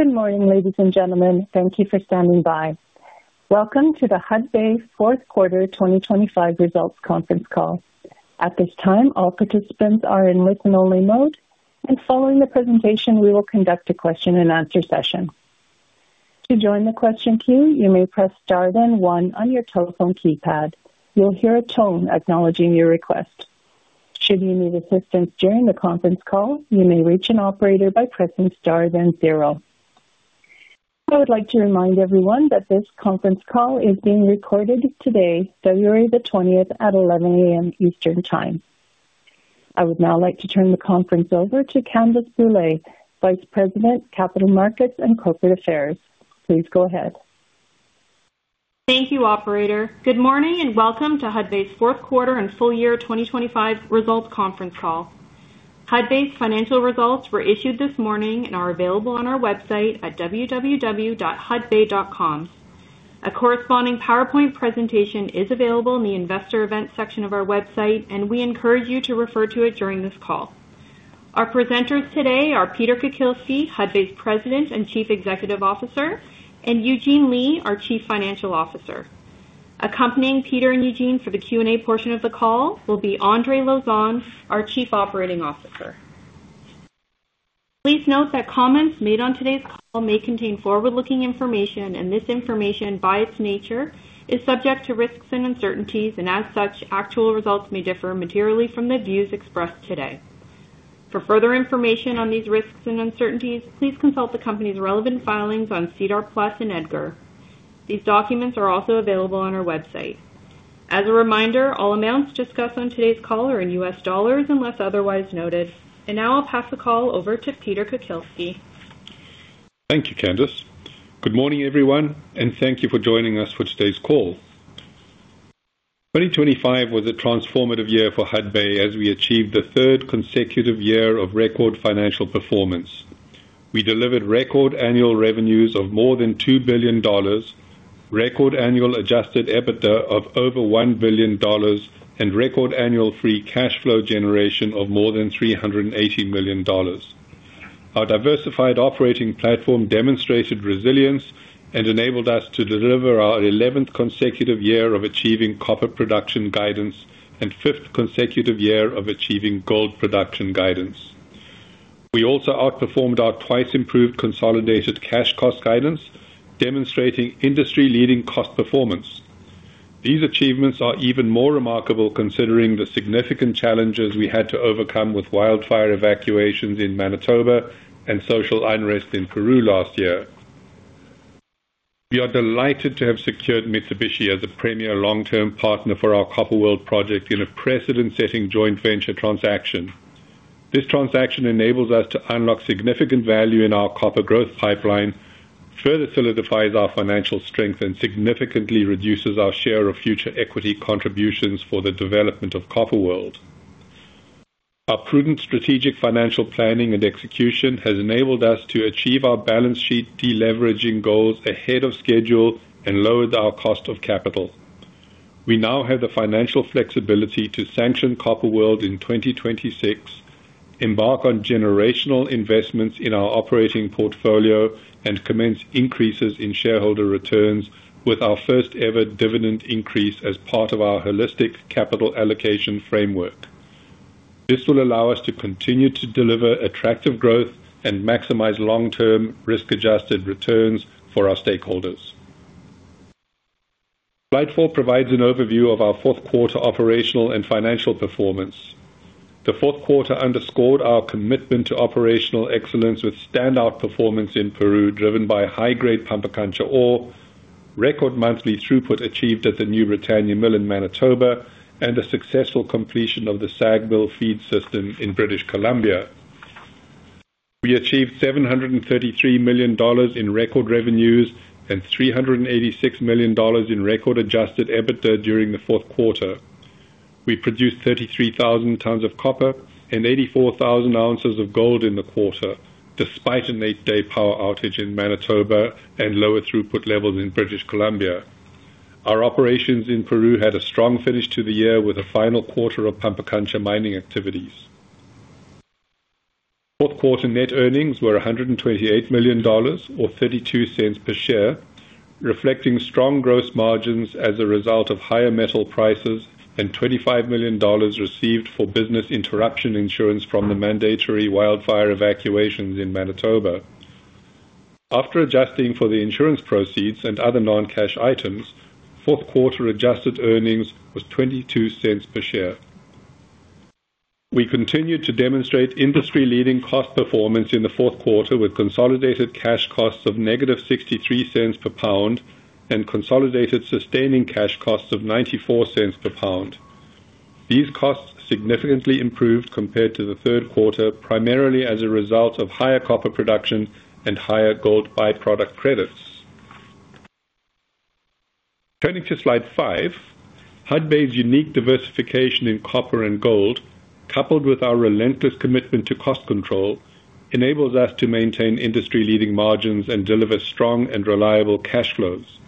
Good morning, ladies and gentlemen. Thank you for standing by. Welcome to Hudbay's fourth quarter 2025 results conference call. At this time, all participants are in listen-only mode, and following the presentation, we will conduct a question and answer session. To join the question queue, you may press star, then one on your telephone keypad. You'll hear a tone acknowledging your request. Should you need assistance during the conference call, you may reach an operator by pressing star, then zero. I would like to remind everyone that this conference call is being recorded today, February the twentieth, at 11 A.M. Eastern Time. I would now like to turn the conference over to Candace Brulé, Vice President, Capital Markets and Corporate Affairs. Please go ahead. Thank you, operator. Good morning, and welcome to Hudbay's fourth quarter and full year 2025 results conference call. Hudbay's financial results were issued this morning and are available on our website at www.hudbay.com. A corresponding PowerPoint presentation is available in the Investor Events section of our website, and we encourage you to refer to it during this call. Our presenters today are Peter Kukielski, Hudbay's President and Chief Executive Officer, and Eugene Lei, our Chief Financial Officer. Accompanying Peter and Eugene for the Q&A portion of the call will be Andre Lauzon, our Chief Operating Officer. Please note that comments made on today's call may contain forward-looking information, and this information, by its nature, is subject to risks and uncertainties, and as such, actual results may differ materially from the views expressed today. For further information on these risks and uncertainties, please consult the company's relevant filings on SEDAR+ and EDGAR. These documents are also available on our website. As a reminder, all amounts discussed on today's call are in U.S. dollars unless otherwise noted. Now I'll pass the call over to Peter Kukielski. Thank you, Candace. Good morning, everyone, and thank you for joining us for today's call. 2025 was a transformative year for Hudbay as we achieved the third consecutive year of record financial performance. We delivered record annual revenues of more than $2 billion, record annual Adjusted EBITDA of over $1 billion, and record annual free cash flow generation of more than $380 million. Our diversified operating platform demonstrated resilience and enabled us to deliver our eleventh consecutive year of achieving copper production guidance and fifth consecutive year of achieving gold production guidance. We also outperformed our twice improved consolidated cash cost guidance, demonstrating industry-leading cost performance. These achievements are even more remarkable considering the significant challenges we had to overcome with wildfire evacuations in Manitoba and social unrest in Peru last year. We are delighted to have secured Mitsubishi as a premier long-term partner for our Copper World project in a precedent-setting joint venture transaction. This transaction enables us to unlock significant value in our copper growth pipeline, further solidifies our financial strength, and significantly reduces our share of future equity contributions for the development of Copper World. Our prudent strategic financial planning and execution has enabled us to achieve our balance sheet deleveraging goals ahead of schedule and lowered our cost of capital. We now have the financial flexibility to sanction Copper World in 2026, embark on generational investments in our operating portfolio, and commence increases in shareholder returns with our first-ever dividend increase as part of our holistic capital allocation framework. This will allow us to continue to deliver attractive growth and maximize long-term risk-adjusted returns for our stakeholders. Slide four provides an overview of our fourth quarter operational and financial performance. The fourth quarter underscored our commitment to operational excellence with standout performance in Peru, driven by high-grade Pampacancha ore, record monthly throughput achieved at the New Britannia Mill in Manitoba, and a successful completion of the SAG mill feed system in British Columbia. We achieved $733 million in record revenues and $386 million in record Adjusted EBITDA during the fourth quarter. We produced 33,000 tons of copper and 84,000 ounces of gold in the quarter, despite an eight day power outage in Manitoba and lower throughput levels in British Columbia. Our operations in Peru had a strong finish to the year, with a final quarter of Pampacancha mining activities. Fourth quarter net earnings were $128 million, or 32 cents per share, reflecting strong gross margins as a result of higher metal prices and $25 million received for business interruption insurance from the mandatory wildfire evacuations in Manitoba. After adjusting for the insurance proceeds and other non-cash items, fourth quarter-adjusted earnings was 22 cents per share. We continued to demonstrate industry-leading cost performance in the fourth quarter, with consolidated cash costs of -63 cents per pound and consolidated sustaining cash costs of 94 cents per pound. These costs significantly improved compared to the third quarter, primarily as a result of higher copper production and higher gold by-product credits. Turning to slide five, Hudbay's unique diversification in copper and gold, coupled with our relentless commitment to cost control, enables us to maintain industry-leading margins and deliver strong and reliable cash flows.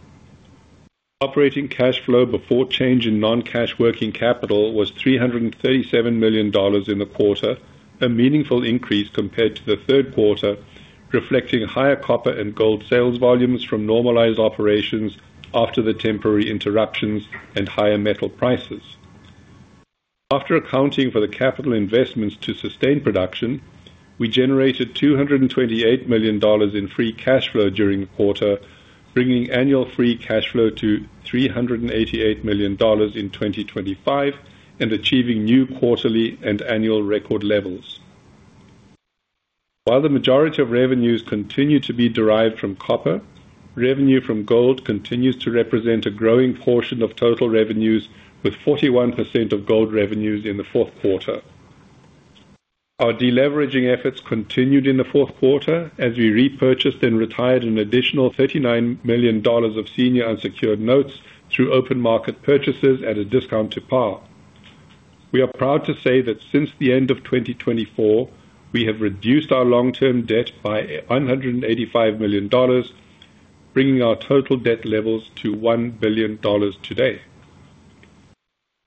Operating cash flow before change in non-cash working capital was $337 million in the quarter, a meaningful increase compared to the third quarter, reflecting higher copper and gold sales volumes from normalized operations after the temporary interruptions and higher metal prices. After accounting for the capital investments to sustain production, we generated $228 million in free cash flow during the quarter, bringing annual free cash flow to $388 million in 2025, and achieving new quarterly and annual record levels. While the majority of revenues continue to be derived from copper, revenue from gold continues to represent a growing portion of total revenues, with 41% of gold revenues in the fourth quarter. Our deleveraging efforts continued in the fourth quarter as we repurchased and retired an additional $39 million of senior unsecured notes through open market purchases at a discount to par. We are proud to say that since the end of 2024, we have reduced our long-term debt by $185 million, bringing our total debt levels to $1 billion today.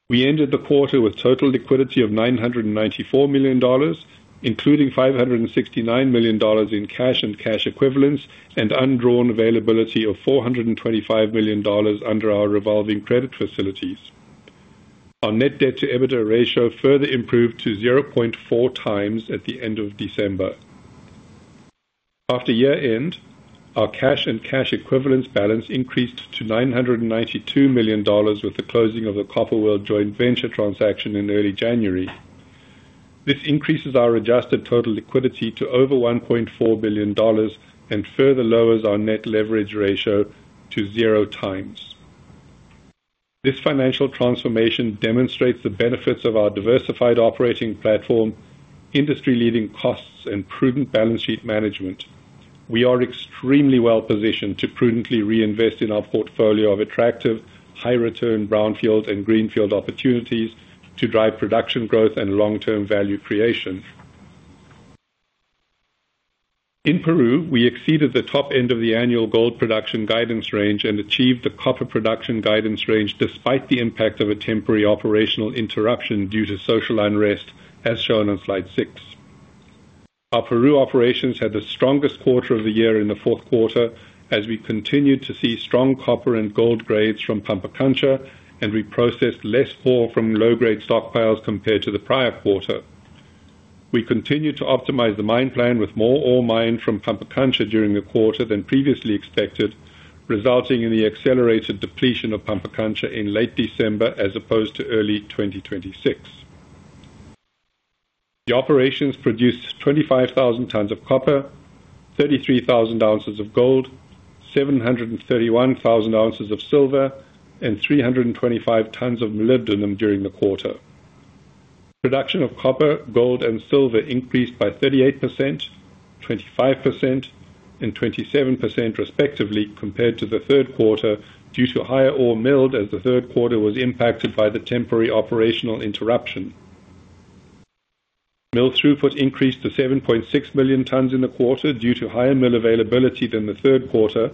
We ended the quarter with total liquidity of $994 million, including $569 million in cash and cash equivalents, and undrawn availability of $425 million under our revolving credit facilities. Our net debt to EBITDA ratio further improved to 0.4 times at the end of December. After year-end, our cash and cash equivalents balance increased to $992 million, with the closing of the Copper World joint venture transaction in early January. This increases our adjusted total liquidity to over $1.4 billion and further lowers our net leverage ratio to 0x. This financial transformation demonstrates the benefits of our diversified operating platform, industry-leading costs, and prudent balance sheet management. We are extremely well-positioned to prudently reinvest in our portfolio of attractive, high-return brownfield and greenfield opportunities to drive production growth and long-term value creation. In Peru, we exceeded the top end of the annual gold production guidance range and achieved the copper production guidance range, despite the impact of a temporary operational interruption due to social unrest, as shown on slide six. Our Peru operations had the strongest quarter of the year in the fourth quarter, as we continued to see strong copper and gold grades from Pampacancha, and we processed less ore from low-grade stockpiles compared to the prior quarter. We continued to optimize the mine plan, with more ore mined from Pampacancha during the quarter than previously expected, resulting in the accelerated depletion of Pampacancha in late December, as opposed to early 2026. The operations produced 25,000 tons of copper, 33,000 ounces of gold, 731,000 ounces of silver, and 325 tons of molybdenum during the quarter. Production of copper, gold, and silver increased by 38%, 25%, and 27%, respectively, compared to the third quarter, due to higher ore milled, as the third quarter was impacted by the temporary operational interruption. Mill throughput increased to 7.6 million tons in the quarter due to higher mill availability than the third quarter,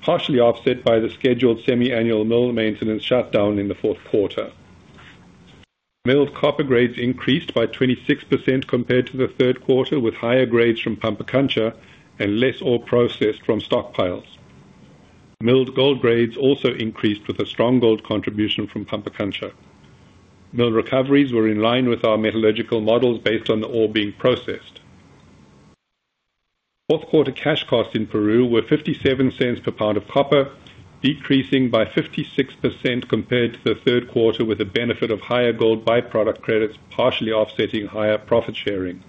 partially offset by the scheduled semi-annual mill maintenance shutdown in the fourth quarter. Mill copper grades increased by 26% compared to the third quarter, with higher grades from Pampacancha and less ore processed from stockpiles. Milled gold grades also increased with a strong gold contribution from Pampacancha. Mill recoveries were in line with our metallurgical models based on the ore being processed. Fourth quarter cash costs in Peru were $0.57 per pound of copper, decreasing by 56% compared to the third quarter, with the benefit of higher gold by-product credits, partially offsetting higher profit sharing.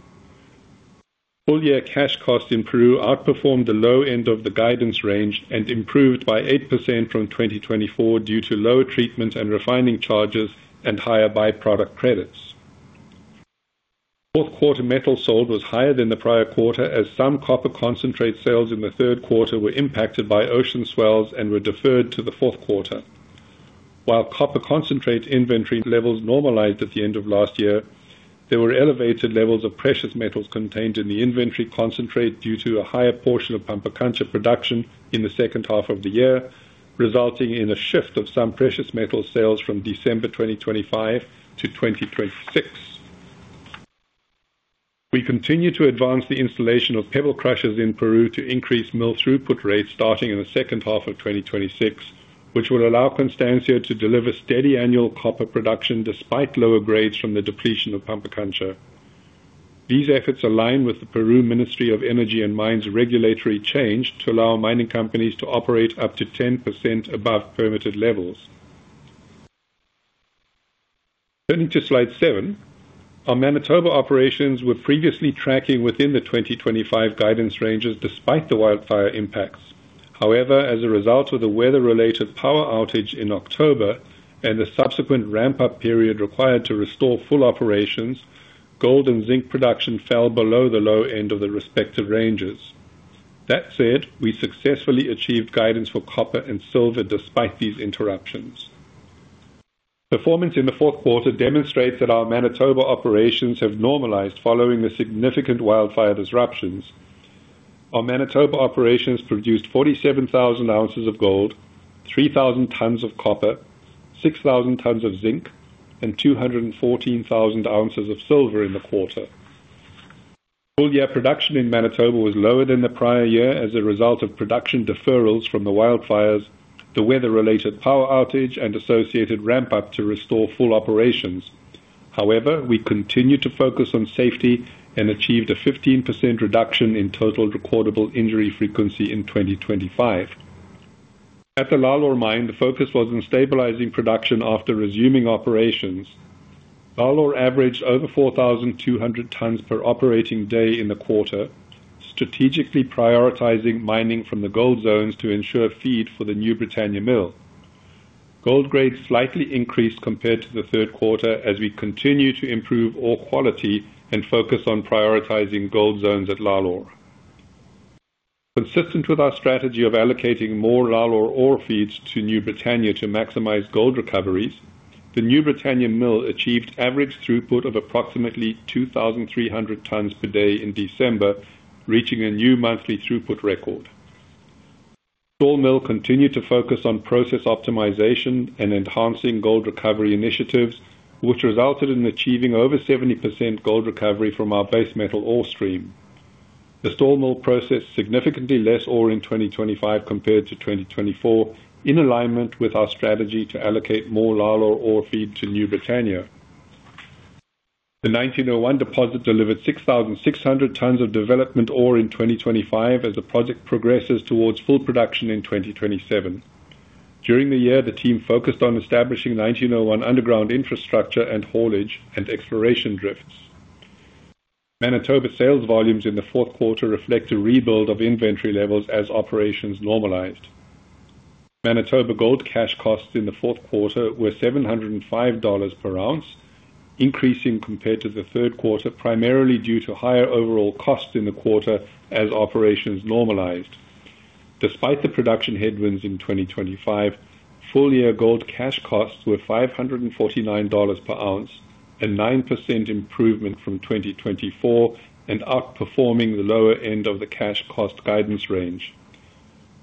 Full-year cash costs in Peru outperformed the low end of the guidance range and improved by 8% from 2024 due to lower treatment and refining charges and higher by-product credits. Fourth quarter metal sold was higher than the prior quarter, as some copper concentrate sales in the third quarter were impacted by ocean swells and were deferred to the fourth quarter. While copper concentrate inventory levels normalized at the end of last year, there were elevated levels of precious metals contained in the inventory concentrate due to a higher portion of Pampacancha production in the second half of the year, resulting in a shift of some precious metal sales from December 2025 to 2026. We continue to advance the installation of pebble crushers in Peru to increase mill throughput rates starting in the second half of 2026, which will allow Constancia to deliver steady annual copper production despite lower grades from the depletion of Pampacancha. These efforts align with the Peru Ministry of Energy and Mines regulatory change to allow mining companies to operate up to 10% above permitted levels. Turning to slide seven, our Manitoba operations were previously tracking within the 2025 guidance ranges, despite the wildfire impacts. However, as a result of the weather-related power outage in October and the subsequent ramp-up period required to restore full operations, gold and zinc production fell below the low end of the respective ranges. That said, we successfully achieved guidance for copper and silver despite these interruptions. Performance in the fourth quarter demonstrates that our Manitoba operations have normalized following the significant wildfire disruptions. Our Manitoba operations produced 47,000 ounces of gold, 3,000 tons of copper, 6,000 tons of zinc, and 214,000 ounces of silver in the quarter. Full-year production in Manitoba was lower than the prior year as a result of production deferrals from the wildfires, the weather-related power outage, and associated ramp-up to restore full operations. However, we continued to focus on safety and achieved a 15% reduction in total recordable injury frequency in 2025. At the Lalor mine, the focus was on stabilizing production after resuming operations. Lalor averaged over 4,200 tons per operating day in the quarter, strategically prioritizing mining from the gold zones to ensure feed for the New Britannia Mill. Gold grades slightly increased compared to the third quarter as we continue to improve ore quality and focus on prioritizing gold zones at Lalor. Consistent with our strategy of allocating more Lalor ore feeds to New Britannia to maximize gold recoveries, the New Britannia Mill achieved average throughput of approximately 2,300 tons per day in December, reaching a new monthly throughput record. Stall Mill continued to focus on process optimization and enhancing gold recovery initiatives, which resulted in achieving over 70% gold recovery from our base metal ore stream. The Stall Mill processed significantly less ore in 2025 compared to 2024, in alignment with our strategy to allocate more Lalor ore feed to New Britannia. The 1901 Deposit delivered 6,600 tons of development ore in 2025 as the project progresses towards full production in 2027. During the year, the team focused on establishing 1901 underground infrastructure and haulage and exploration drifts. Manitoba sales volumes in the fourth quarter reflect a rebuild of inventory levels as operations normalized. Manitoba gold cash costs in the fourth quarter were $705 per ounce, increasing compared to the third quarter, primarily due to higher overall costs in the quarter as operations normalized. Despite the production headwinds in 2025, full-year gold cash costs were $549 per ounce, a 9% improvement from 2024 and outperforming the lower end of the cash cost guidance range.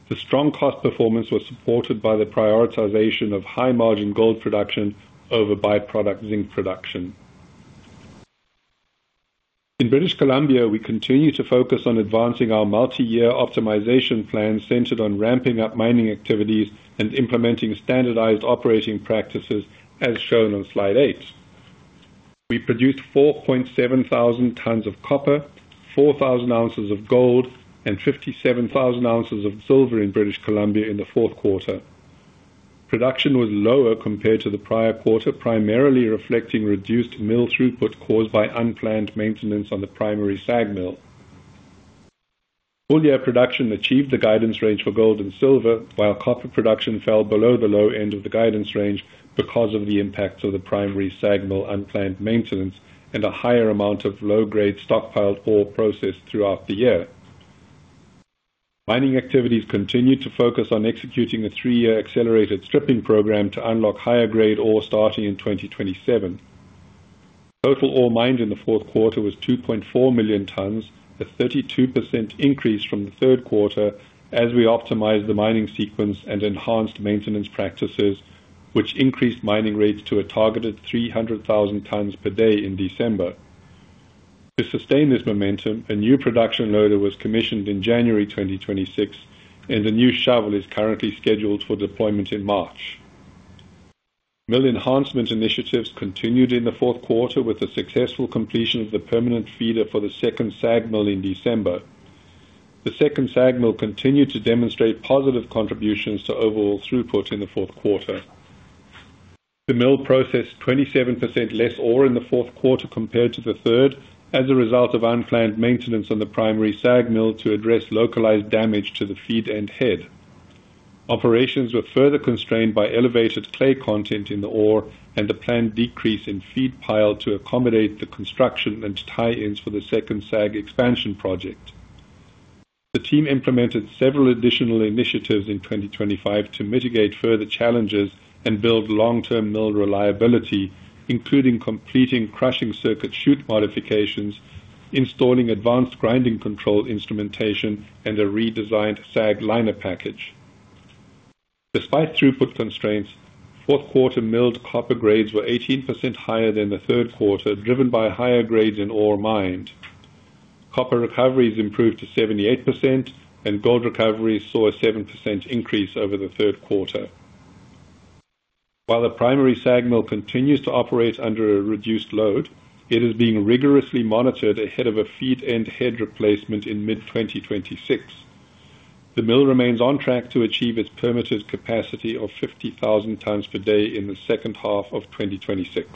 The strong cost performance was supported by the prioritization of high-margin gold production over by-product zinc production. In British Columbia, we continue to focus on advancing our multi-year optimization plan, centered on ramping up mining activities and implementing standardized operating practices, as shown on slide eight. We produced 4,700 tons of copper, 4,000 ounces of gold, and 57,000 ounces of silver in British Columbia in the fourth quarter. Production was lower compared to the prior quarter, primarily reflecting reduced mill throughput caused by unplanned maintenance on the primary SAG mill. Full-year production achieved the guidance range for gold and silver, while copper production fell below the low end of the guidance range because of the impacts of the primary SAG mill unplanned maintenance and a higher amount of low-grade stockpiled ore processed throughout the year. Mining activities continued to focus on executing a three-year accelerated stripping program to unlock higher-grade ore starting in 2027. Total ore mined in the fourth quarter was 2.4 million tons, a 32% increase from the third quarter as we optimized the mining sequence and enhanced maintenance practices, which increased mining rates to a targeted 300,000 tons per day in December. To sustain this momentum, a new production loader was commissioned in January 2026, and a new shovel is currently scheduled for deployment in March. Mill enhancement initiatives continued in the fourth quarter with the successful completion of the permanent feeder for the second SAG mill in December. The second SAG mill continued to demonstrate positive contributions to overall throughput in the fourth quarter. The mill processed 27% less ore in the fourth quarter compared to the third, as a result of unplanned maintenance on the primary SAG mill to address localized damage to the feed end head. Operations were further constrained by elevated clay content in the ore and the planned decrease in feed pile to accommodate the construction and tie-ins for the second SAG expansion project. The team implemented several additional initiatives in 2025 to mitigate further challenges and build long-term mill reliability, including completing crushing circuit chute modifications, installing advanced grinding control instrumentation, and a redesigned SAG liner package. Despite throughput constraints, fourth-quarter milled copper grades were 18% higher than the third quarter, driven by higher grades in ore mined. Copper recoveries improved to 78%, and gold recoveries saw a 7% increase over the third quarter. While the primary SAG mill continues to operate under a reduced load, it is being rigorously monitored ahead of a feed end head replacement in mid-2026. The mill remains on track to achieve its permitted capacity of 50,000 tons per day in the second half of 2026.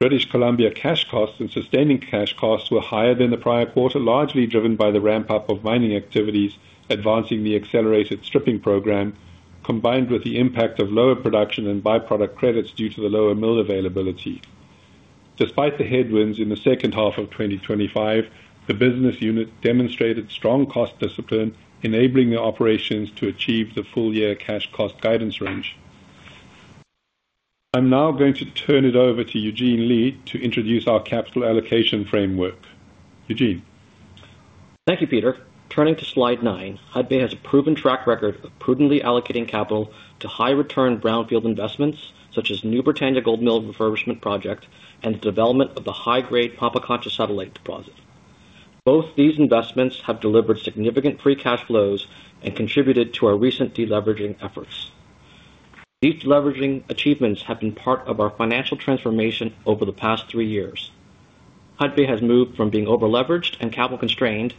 British Columbia cash costs and sustaining cash costs were higher than the prior quarter, largely driven by the ramp-up of mining activities, advancing the accelerated stripping program, combined with the impact of lower production and by-product credits due to the lower mill availability. Despite the headwinds in the second half of 2025, the business unit demonstrated strong cost discipline, enabling the operations to achieve the full year cash cost guidance range. I'm now going to turn it over to Eugene Lei to introduce our capital allocation framework. Eugene? Thank you, Peter. Turning to slide nine, Hudbay has a proven track record of prudently allocating capital to high return brownfield investments, such as New Britannia Gold Mill refurbishment project and the development of the high-grade Pampacancha satellite deposit. Both these investments have delivered significant free cash flows and contributed to our recent deleveraging efforts. These leveraging achievements have been part of our financial transformation over the past three years. Hudbay has moved from being overleveraged and capital constrained,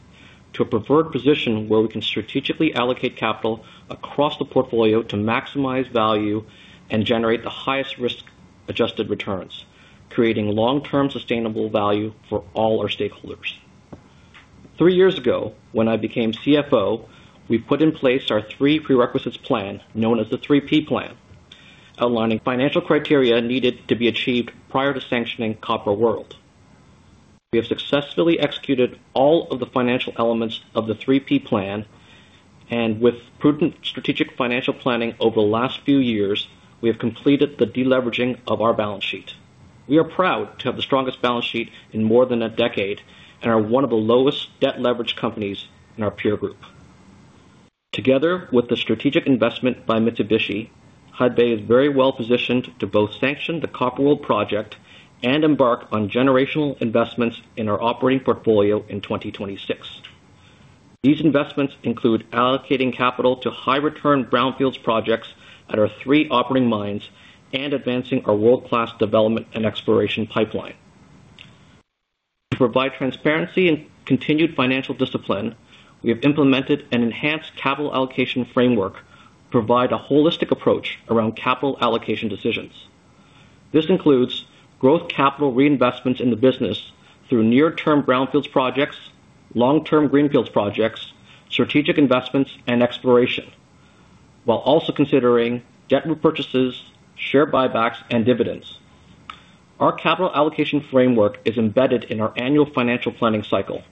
to a preferred position where we can strategically allocate capital across the portfolio to maximize value and generate the highest risk-adjusted returns, creating long-term sustainable value for all our stakeholders. Three years ago, when I became CFO, we put in place our three-prerequisites plan, known as the 3P plan, outlining financial criteria needed to be achieved prior to sanctioning Copper World. We have successfully executed all of the financial elements of the 3P plan, and with prudent strategic financial planning over the last few years, we have completed the deleveraging of our balance sheet. We are proud to have the strongest balance sheet in more than a decade and are one of the lowest debt leverage companies in our peer group. Together with the strategic investment by Mitsubishi, Hudbay is very well positioned to both sanction the Copper World project and embark on generational investments in our operating portfolio in 2026. These investments include allocating capital to high return brownfield projects at our three operating mines and advancing our world-class development and exploration pipeline. To provide transparency and continued financial discipline, we have implemented an enhanced capital allocation framework to provide a holistic approach around capital allocation decisions. This includes growth capital reinvestments in the business through near-term brownfields projects, long-term greenfields projects, strategic investments, and exploration, while also considering debt repurchases, share buybacks, and dividends. Our capital allocation framework is embedded in our annual financial planning cycle.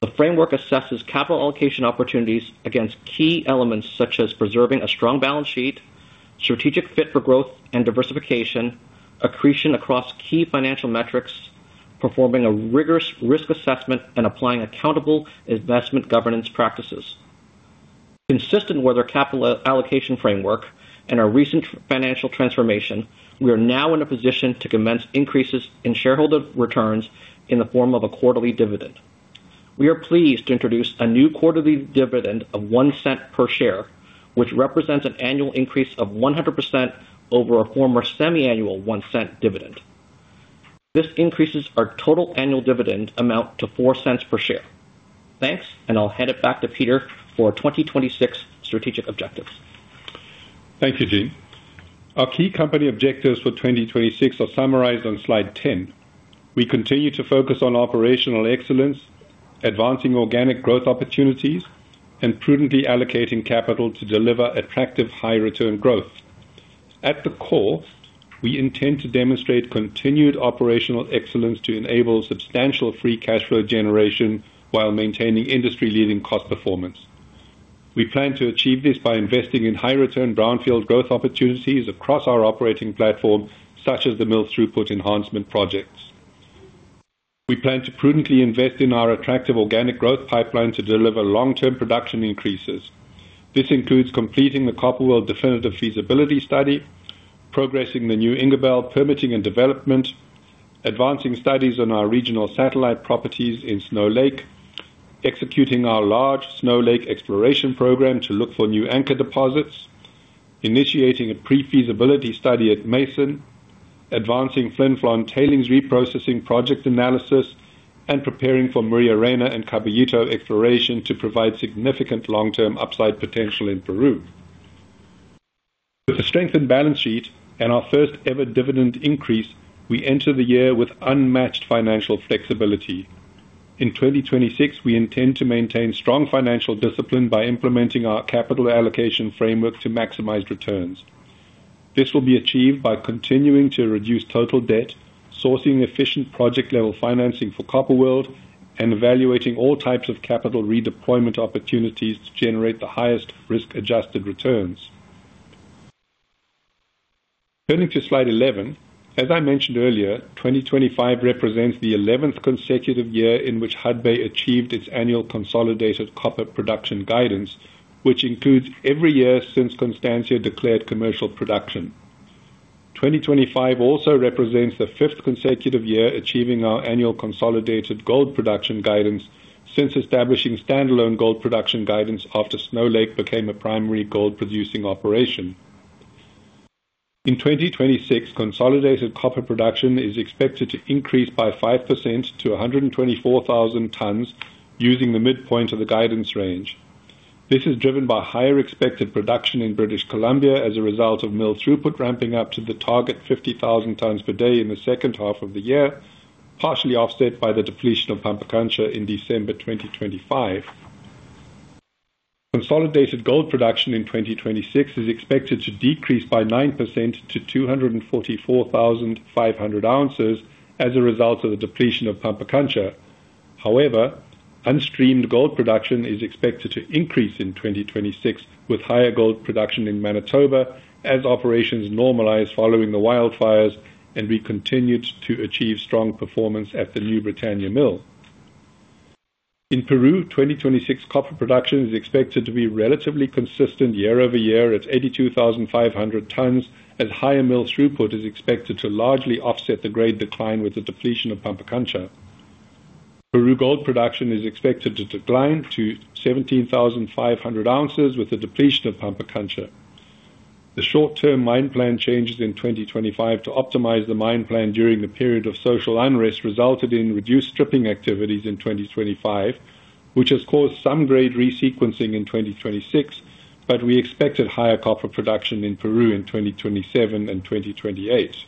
The framework assesses capital allocation opportunities against key elements, such as preserving a strong balance sheet, strategic fit for growth and diversification, accretion across key financial metrics, performing a rigorous risk assessment, and applying accountable investment governance practices. Consistent with our capital allocation framework and our recent financial transformation, we are now in a position to commence increases in shareholder returns in the form of a quarterly dividend. We are pleased to introduce a new quarterly dividend of $0.01 per share, which represents an annual increase of 100% over a former semi-annual $0.01 dividend. This increases our total annual dividend amount to $0.04 per share. Thanks, and I'll hand it back to Peter for 2026 strategic objectives. Thank you, Gene. Our key company objectives for 2026 are summarized on slide 10. We continue to focus on operational excellence, advancing organic growth opportunities, and prudently allocating capital to deliver attractive high return growth. At the core, we intend to demonstrate continued operational excellence to enable substantial free cash flow generation while maintaining industry-leading cost performance. We plan to achieve this by investing in high return brownfield growth opportunities across our operating platform, such as the mill throughput enhancement projects. We plan to prudently invest in our attractive organic growth pipeline to deliver long-term production increases. This includes completing the Copper World definitive feasibility study, progressing the New Ingerbelle permitting and development, advancing studies on our regional satellite properties in Snow Lake, executing our large Snow Lake exploration program to look for new anchor deposits, initiating a pre-feasibility study at Mason, advancing Flin Flon tailings reprocessing project analysis, and preparing for Maria Reyna and Caballito exploration to provide significant long-term upside potential in Peru. With a strengthened balance sheet and our first-ever dividend increase, we enter the year with unmatched financial flexibility. In 2026, we intend to maintain strong financial discipline by implementing our capital allocation framework to maximize returns. This will be achieved by continuing to reduce total debt, sourcing efficient project-level financing for Copper World, and evaluating all types of capital redeployment opportunities to generate the highest risk-adjusted returns. Turning to slide 11, as I mentioned earlier, 2025 represents the 11th consecutive year in which Hudbay achieved its annual consolidated copper production guidance, which includes every year since Constancia declared commercial production. 2025 also represents the 5th consecutive year achieving our annual consolidated gold production guidance since establishing standalone gold production guidance after Snow Lake became a primary gold-producing operation. In 2026, consolidated copper production is expected to increase by 5% to 124,000 tons using the midpoint of the guidance range. This is driven by higher expected production in British Columbia as a result of mill throughput ramping up to the target 50,000 tons per day in the second half of the year, partially offset by the depletion of Pampacancha in December 2025. Consolidated gold production in 2026 is expected to decrease by 9% to 244,500 ounces as a result of the depletion of Pampacancha. However, unstreamed gold production is expected to increase in 2026, with higher gold production in Manitoba as operations normalize following the wildfires, and we continued to achieve strong performance at the New Britannia Mill. In Peru, 2026 copper production is expected to be relatively consistent year-over-year at 82,500 tons, as higher mill throughput is expected to largely offset the grade decline with the depletion of Pampacancha. Peru gold production is expected to decline to 17,500 ounces with the depletion of Pampacancha. The short-term mine plan changes in 2025 to optimize the mine plan during the period of social unrest, resulted in reduced stripping activities in 2025, which has caused some grade resequencing in 2026, but we expected higher copper production in Peru in 2027 and 2028.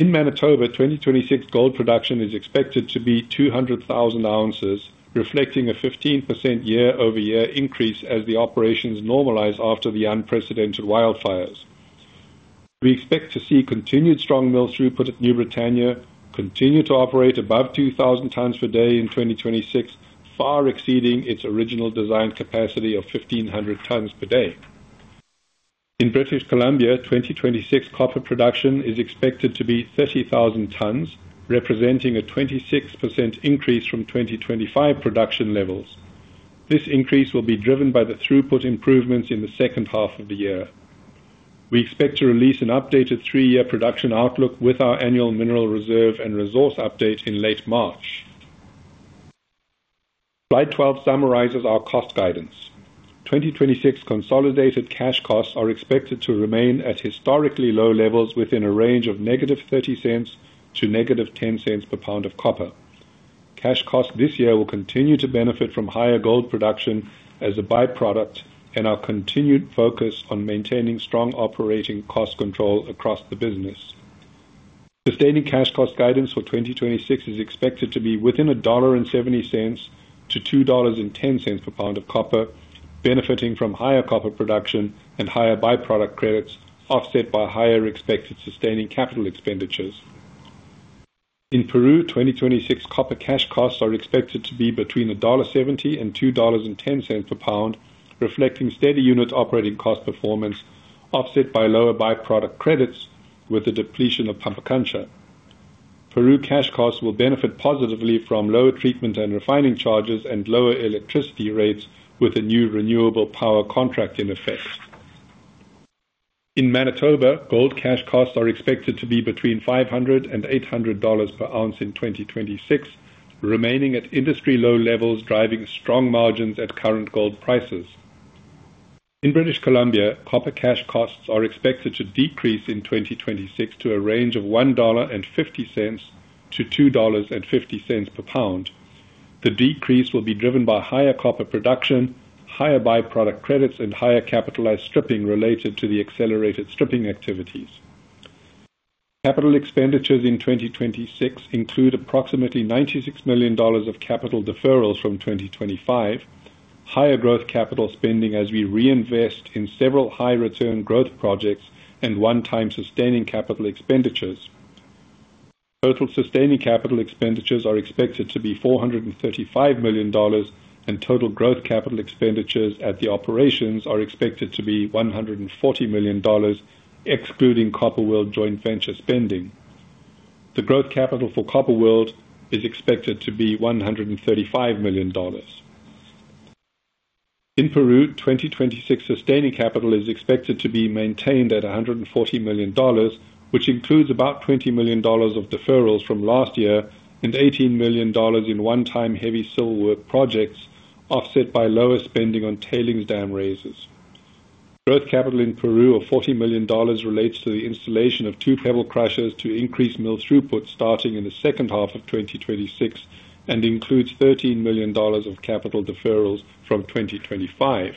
In Manitoba, 2026 gold production is expected to be 200,000 ounces, reflecting a 15% year-over-year increase as the operations normalize after the unprecedented wildfires. We expect to see continued strong mill throughput at New Britannia, continue to operate above 2,000 tons per day in 2026, far exceeding its original design capacity of 1,500 tons per day. In British Columbia, 2026 copper production is expected to be 30,000 tons, representing a 26% increase from 2025 production levels. This increase will be driven by the throughput improvements in the second half of the year. We expect to release an updated 3-year production outlook with our annual mineral reserve and resource update in late March. Slide 12 summarizes our cost guidance. 2026 consolidated cash costs are expected to remain at historically low levels within a range of -$0.30 to -$0.10 per pound of copper. Cash costs this year will continue to benefit from higher gold production as a by-product and our continued focus on maintaining strong operating cost control across the business. Sustaining cash cost guidance for 2026 is expected to be within $1.70-$2.10 per pound of copper, benefiting from higher copper production and higher by-product credits, offset by higher expected sustaining capital expenditures. In Peru, 2026 copper cash costs are expected to be between $1.70-$2.10 per pound, reflecting steady unit operating cost performance, offset by lower by-product credits with the depletion of Pampacancha. Peru cash costs will benefit positively from lower treatment and refining charges and lower electricity rates with a new renewable power contract in effect. In Manitoba, gold cash costs are expected to be between $500-$800 per ounce in 2026, remaining at industry-low levels, driving strong margins at current gold prices. In British Columbia, copper cash costs are expected to decrease in 2026 to a range of $1.50-$2.50 per pound. The decrease will be driven by higher copper production, higher by-product credits, and higher capitalized stripping related to the accelerated stripping activities. Capital expenditures in 2026 include approximately $96 million of capital deferrals from 2025, higher growth capital spending as we reinvest in several high-return growth projects, and one-time sustaining capital expenditures. Total sustaining capital expenditures are expected to be $435 million, and total growth capital expenditures at the operations are expected to be $140 million, excluding Copper World joint venture spending. The growth capital for Copper World is expected to be $135 million. In Peru, 2026 Sustaining Capital is expected to be maintained at $140 million, which includes about $20 million of deferrals from last year and $18 million in one-time heavy civil work projects, offset by lower spending on tailings dam raises. Growth Capital in Peru of $40 million relates to the installation of two pebble crushers to increase mill throughput starting in the second half of 2026 and includes $13 million of capital deferrals from 2025.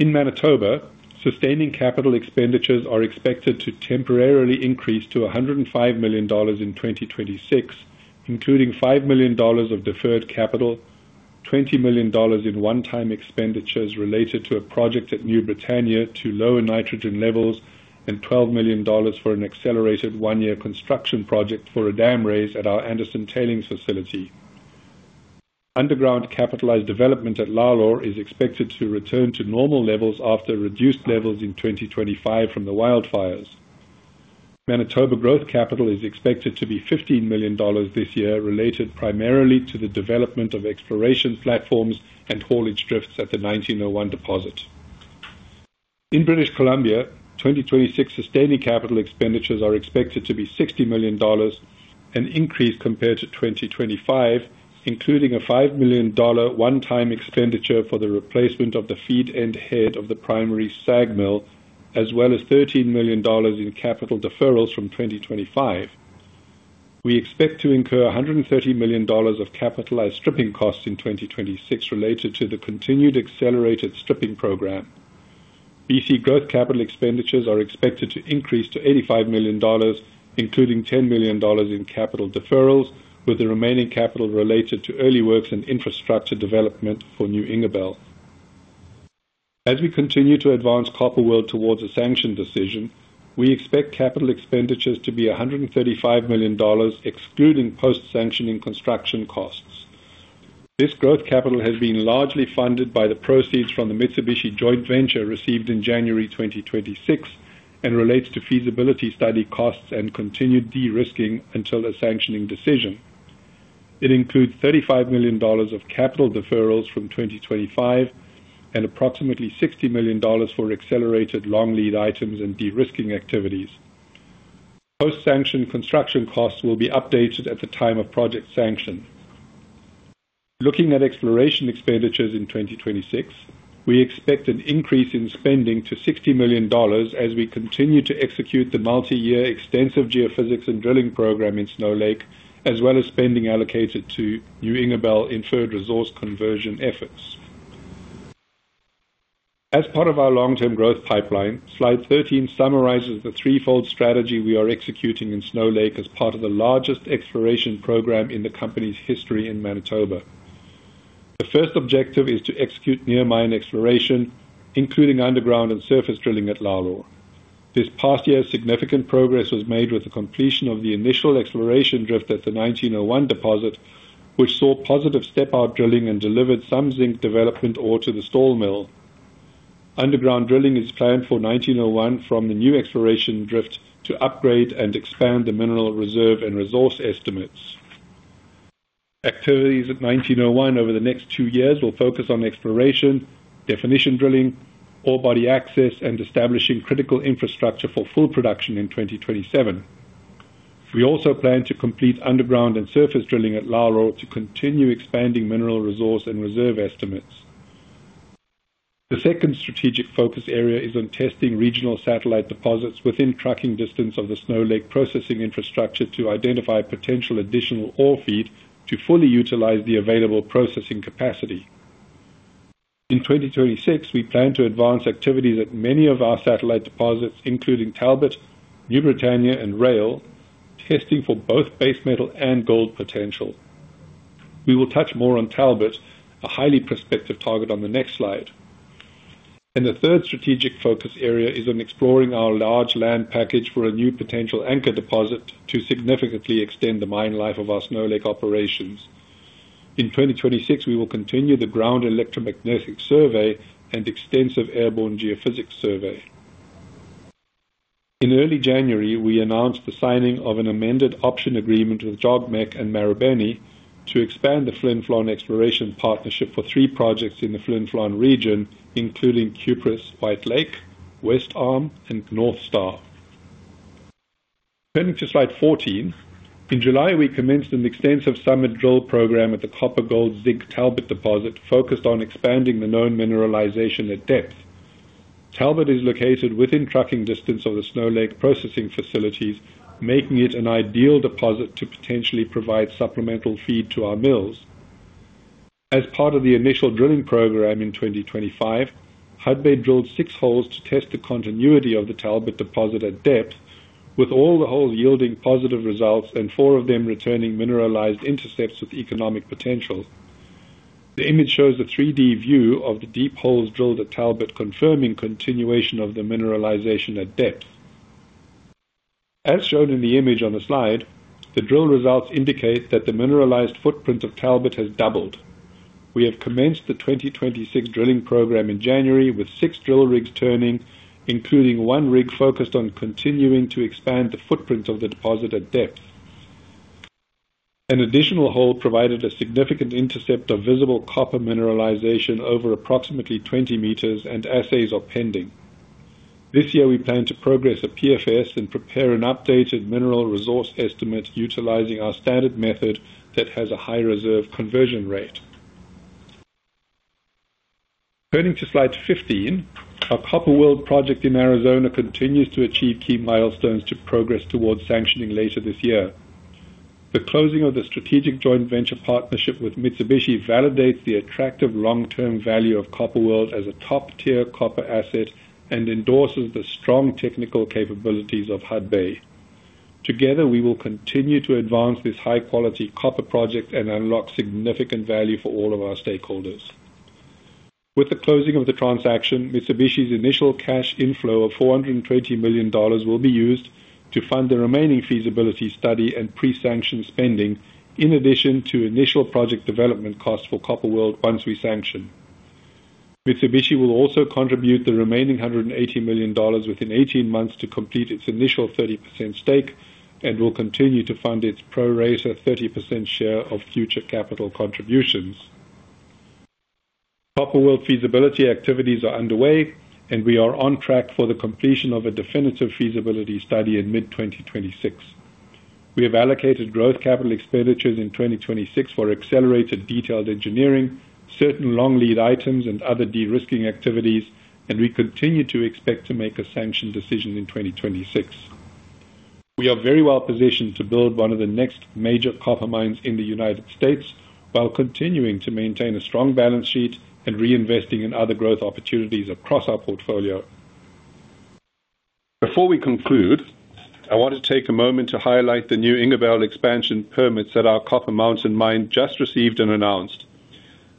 In Manitoba, sustaining capital expenditures are expected to temporarily increase to $105 million in 2026, including $5 million of deferred capital, $20 million in one-time expenditures related to a project at New Britannia to lower nitrogen levels, and $12 million for an accelerated one-year construction project for a dam raise at our Anderson Tailings Facility. Underground capitalized development at Lalor is expected to return to normal levels after reduced levels in 2025 from the wildfires. Manitoba growth capital is expected to be $15 million this year, related primarily to the development of exploration platforms and haulage drifts at the 1901 deposit. In British Columbia, 2026 sustaining capital expenditures are expected to be $60 million, an increase compared to 2025, including a $5 million one-time expenditure for the replacement of the feed end head of the primary SAG mill, as well as $13 million in capital deferrals from 2025. We expect to incur $130 million of capitalized stripping costs in 2026 related to the continued accelerated stripping program. BC growth capital expenditures are expected to increase to $85 million, including $10 million in capital deferrals, with the remaining capital related to early works and infrastructure development for New Ingerbelle. As we continue to advance Copper World towards a sanction decision, we expect capital expenditures to be $135 million, excluding post-sanctioning construction costs. This growth capital has been largely funded by the proceeds from the Mitsubishi joint venture received in January 2026 and relates to feasibility study costs and continued de-risking until the sanctioning decision. It includes $35 million of capital deferrals from 2025 and approximately $60 million for accelerated long lead items and de-risking activities. Post-sanction construction costs will be updated at the time of project sanction. Looking at exploration expenditures in 2026, we expect an increase in spending to $60 million as we continue to execute the multi-year extensive geophysics and drilling program in Snow Lake, as well as spending allocated to New Ingerbelle inferred resource conversion efforts. As part of our long-term growth pipeline, slide 13 summarizes the threefold strategy we are executing in Snow Lake as part of the largest exploration program in the company's history in Manitoba. The first objective is to execute near mine exploration, including underground and surface drilling at Lalor. This past year, significant progress was made with the completion of the initial exploration drift at the 1901 deposit, which saw positive step-out drilling and delivered some zinc development ore to the Stall Mill. Underground drilling is planned for 1901 from the new exploration drift to upgrade and expand the mineral reserve and resource estimates. Activities at 1901 over the next two years will focus on exploration, definition drilling, ore body access, and establishing critical infrastructure for full production in 2027. We also plan to complete underground and surface drilling at Lalor to continue expanding mineral resource and reserve estimates. The second strategic focus area is on testing regional satellite deposits within trucking distance of the Snow Lake processing infrastructure to identify potential additional ore feed to fully utilize the available processing capacity. In 2026, we plan to advance activities at many of our satellite deposits, including Talbot, New Britannia, and Rail, testing for both base metal and gold potential. We will touch more on Talbot, a highly prospective target, on the next slide. The third strategic focus area is on exploring our large land package for a new potential anchor deposit to significantly extend the mine life of our Snow Lake operations. In 2026, we will continue the ground electromagnetic survey and extensive airborne geophysics survey. In early January, we announced the signing of an amended option agreement with JOGMEC and Marubeni to expand the Flin Flon Exploration Partnership for three projects in the Flin Flon region, including Cuprus, White Lake, West Arm, and North Star. Turning to slide 14. In July, we commenced an extensive summer drill program at the copper-gold-zinc Talbot deposit, focused on expanding the known mineralization at depth. Talbot is located within trucking distance of the Snow Lake processing facilities, making it an ideal deposit to potentially provide supplemental feed to our mills. As part of the initial drilling program in 2025, Hudbay drilled six holes to test the continuity of the Talbot deposit at depth, with all the holes yielding positive results and four of them returning mineralized intercepts with economic potential. The image shows a 3D view of the deep holes drilled at Talbot, confirming continuation of the mineralization at depth. As shown in the image on the slide, the drill results indicate that the mineralized footprint of Talbot has doubled. We have commenced the 2026 drilling program in January, with six drill rigs turning, including one rig focused on continuing to expand the footprint of the deposit at depth. An additional hole provided a significant intercept of visible copper mineralization over approximately 20 meters, and assays are pending. This year, we plan to progress a PFS and prepare an updated mineral resource estimate utilizing our standard method that has a high reserve conversion rate. Turning to slide 15, our Copper World project in Arizona continues to achieve key milestones to progress towards sanctioning later this year. The closing of the strategic joint venture partnership with Mitsubishi validates the attractive long-term value of Copper World as a top-tier copper asset and endorses the strong technical capabilities of Hudbay. Together, we will continue to advance this high-quality copper project and unlock significant value for all of our stakeholders. With the closing of the transaction, Mitsubishi's initial cash inflow of $420 million will be used to fund the remaining feasibility study and pre-sanction spending, in addition to initial project development costs for Copper World once we sanction. Mitsubishi will also contribute the remaining $180 million within 18 months to complete its initial 30% stake and will continue to fund its pro rata 30% share of future capital contributions. Copper World feasibility activities are underway, and we are on track for the completion of a definitive feasibility study in mid-2026. We have allocated growth capital expenditures in 2026 for accelerated detailed engineering, certain long lead items, and other de-risking activities, and we continue to expect to make a sanction decision in 2026. We are very well positioned to build one of the next major copper mines in the United States, while continuing to maintain a strong balance sheet and reinvesting in other growth opportunities across our portfolio. Before we conclude, I want to take a moment to highlight the new Ingerbelle expansion permits that our Copper Mountain mine just received and announced.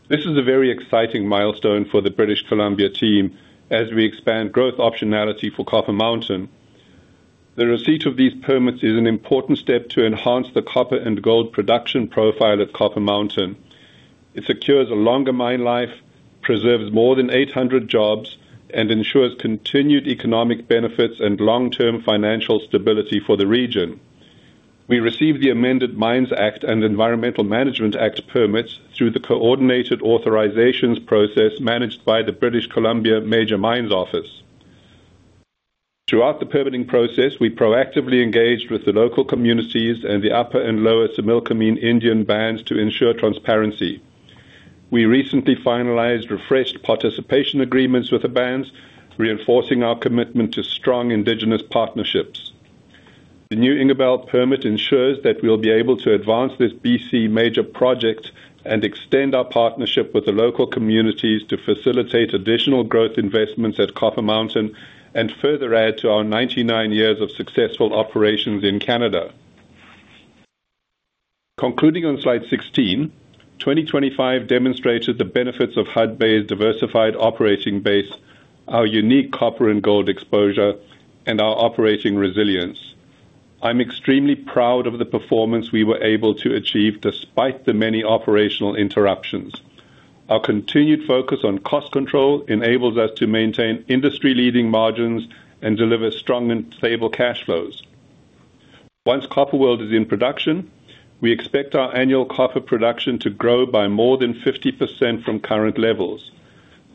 This is a very exciting milestone for the British Columbia team as we expand growth optionality for Copper Mountain. The receipt of these permits is an important step to enhance the copper and gold production profile at Copper Mountain. It secures a longer mine life, preserves more than 800 jobs, and ensures continued economic benefits and long-term financial stability for the region. We received the Amended Mines Act and Environmental Management Act permits through the coordinated authorizations process managed by the British Columbia Major Mines Office. Throughout the permitting process, we proactively engaged with the local communities and the Upper and Lower Similkameen Indian Bands to ensure transparency. We recently finalized refreshed participation agreements with the bands, reinforcing our commitment to strong indigenous partnerships. The new Ingerbelle permit ensures that we'll be able to advance this BC major project and extend our partnership with the local communities to facilitate additional growth investments at Copper Mountain and further add to our 99 years of successful operations in Canada. Concluding on slide 16, 2025 demonstrated the benefits of Hudbay's diversified operating base, our unique copper and gold exposure, and our operating resilience. I'm extremely proud of the performance we were able to achieve despite the many operational interruptions. Our continued focus on cost control enables us to maintain industry-leading margins and deliver strong and stable cash flows. Once Copper World is in production, we expect our annual copper production to grow by more than 50% from current levels.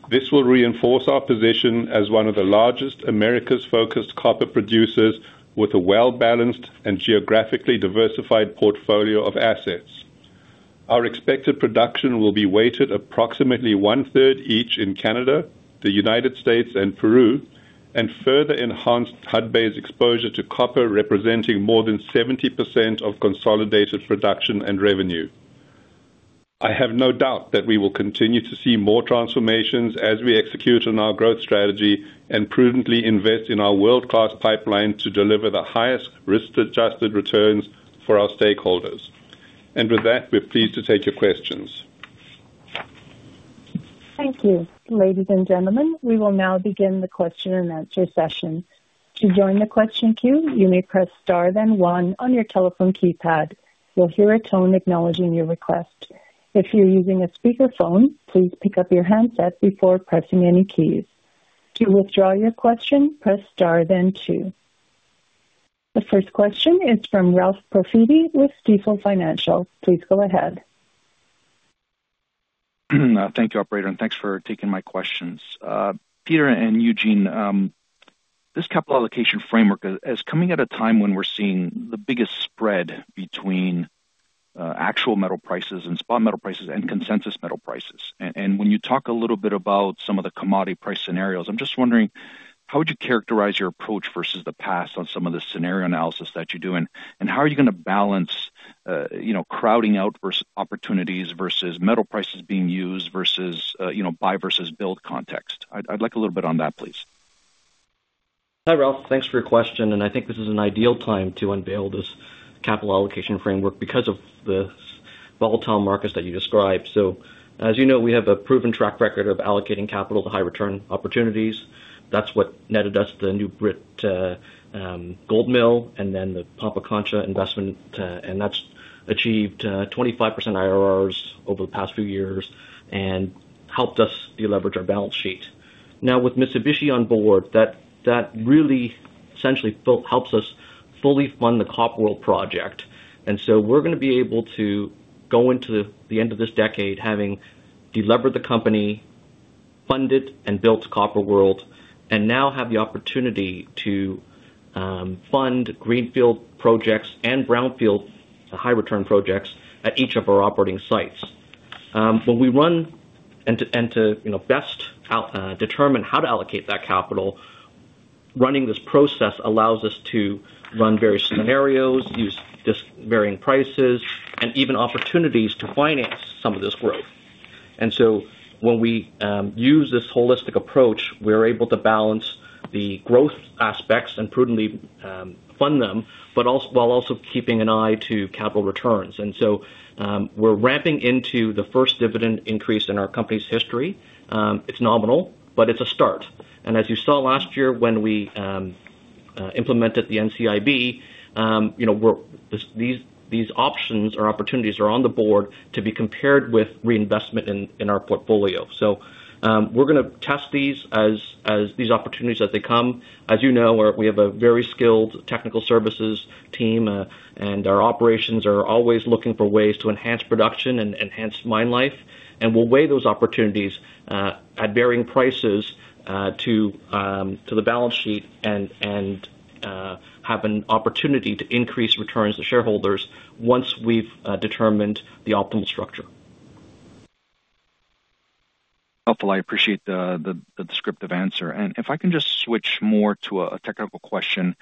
This will reinforce our position as one of the largest Americas-focused copper producers with a well-balanced and geographically diversified portfolio of assets. Our expected production will be weighted approximately one third each in Canada, the United States, and Peru, and further enhanced Hudbay's exposure to copper, representing more than 70% of consolidated production and revenue. I have no doubt that we will continue to see more transformations as we execute on our growth strategy and prudently invest in our world-class pipeline to deliver the highest risk-adjusted returns for our stakeholders. With that, we're pleased to take your questions. Thank you. Ladies and gentlemen, we will now begin the question and answer session. To join the question queue, you may press Star, then one on your telephone keypad. You'll hear a tone acknowledging your request. If you're using a speakerphone, please pick up your handset before pressing any keys. To withdraw your question, press Star then two. The first question is from Ralph Profiti with Stifel Nicolaus. Please go ahead. Thank you, operator, and thanks for taking my questions. Peter and Eugene, this capital allocation framework is coming at a time when we're seeing the biggest spread between actual metal prices and spot metal prices and consensus metal prices. And when you talk a little bit about some of the commodity price scenarios, I'm just wondering, how would you characterize your approach versus the past on some of the scenario analysis that you're doing, and how are you going to balance, you know, crowding out versus opportunities versus metal metals being used versus, you know, buy versus build context? I'd like a little bit on that, please. Hi, Ralph, thanks for your question, and I think this is an ideal time to unveil this capital allocation framework because of the volatile markets that you described. So, as you know, we have a proven track record of allocating capital to high return opportunities. That's what netted us the New Britannia Gold Mill and then the Pampacancha investment, and that's achieved 25% IRRs over the past few years and helped us deleverage our balance sheet. Now, with Mitsubishi on board, that really helps us fully fund the Copper World project. And so we're going to be able to go into the end of this decade having delevered the company, funded and built Copper World, and now have the opportunity to fund greenfield projects and brownfield high return projects at each of our operating sites. When we run you know best to determine how to allocate that capital, running this process allows us to run various scenarios, using varying prices, and even opportunities to finance some of this growth. And so when we use this holistic approach, we're able to balance the growth aspects and prudently fund them, but also while also keeping an eye to capital returns. And so, we're ramping into the first dividend increase in our company's history. It's nominal, but it's a start. And as you saw last year when we implemented the NCIB, you know, these options or opportunities are on the board to be compared with reinvestment in our portfolio. So, we're going to test these as these opportunities as they come. As you know, we have a very skilled technical services team, and our operations are always looking for ways to enhance production and enhance mine life. We'll weigh those opportunities at varying prices to the balance sheet and have an opportunity to increase returns to shareholders once we've determined the optimal structure. Helpful. I appreciate the descriptive answer. And if I can just switch more to a technical question.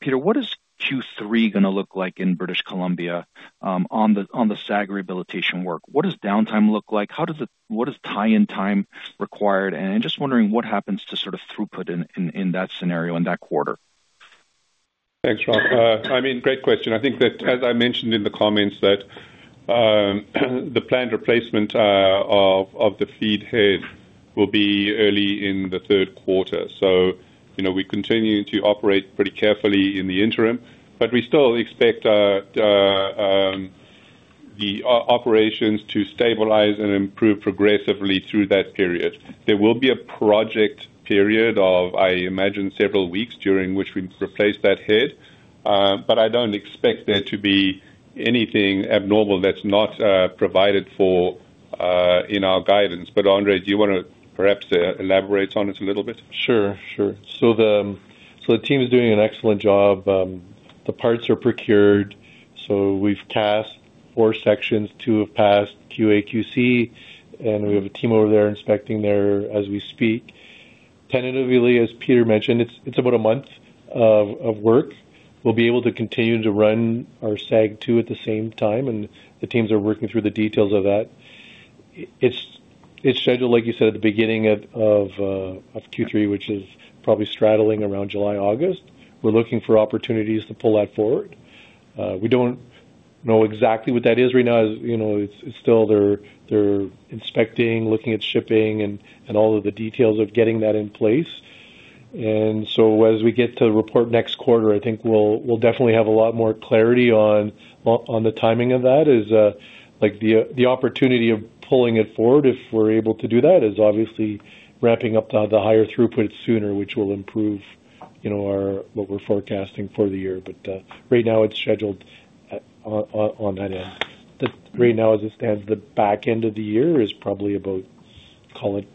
Peter, what is Q3 going to look like in British Columbia, on the SAG rehabilitation work? What does downtime look like? How does it—what is tie-in time required? And just wondering what happens to sort of throughput in that scenario, in that quarter. Thanks, Rob. I mean, great question. I think that, as I mentioned in the comments, that, the planned replacement, of, of the feed head will be early in the third quarter. So, you know, we continue to operate pretty carefully in the interim, but we still expect, the operations to stabilize and improve progressively through that period. There will be a project period of, I imagine, several weeks during which we replace that head, but I don't expect there to be anything abnormal that's not, provided for, in our guidance. But Andre, do you want to perhaps, elaborate on it a little bit? Sure. Sure. So the team is doing an excellent job. The parts are procured, so we've cast 4 sections, 2 have passed QAQC, and we have a team over there inspecting there as we speak. Tentatively, as Peter mentioned, it's about a month of work. We'll be able to continue to run our SAG 2 at the same time, and the teams are working through the details of that. It's scheduled, like you said, at the beginning of Q3, which is probably straddling around July, August. We're looking for opportunities to pull that forward. We don't know exactly what that is right now. You know, it's still they're inspecting, looking at shipping and all of the details of getting that in place. As we get to report next quarter, I think we'll definitely have a lot more clarity on the timing of that is like the opportunity of pulling it forward, if we're able to do that, is obviously ramping up the higher throughput sooner, which will improve, you know, our what we're forecasting for the year. But right now it's scheduled on that end. Right now, as it stands, the back end of the year is probably about, call it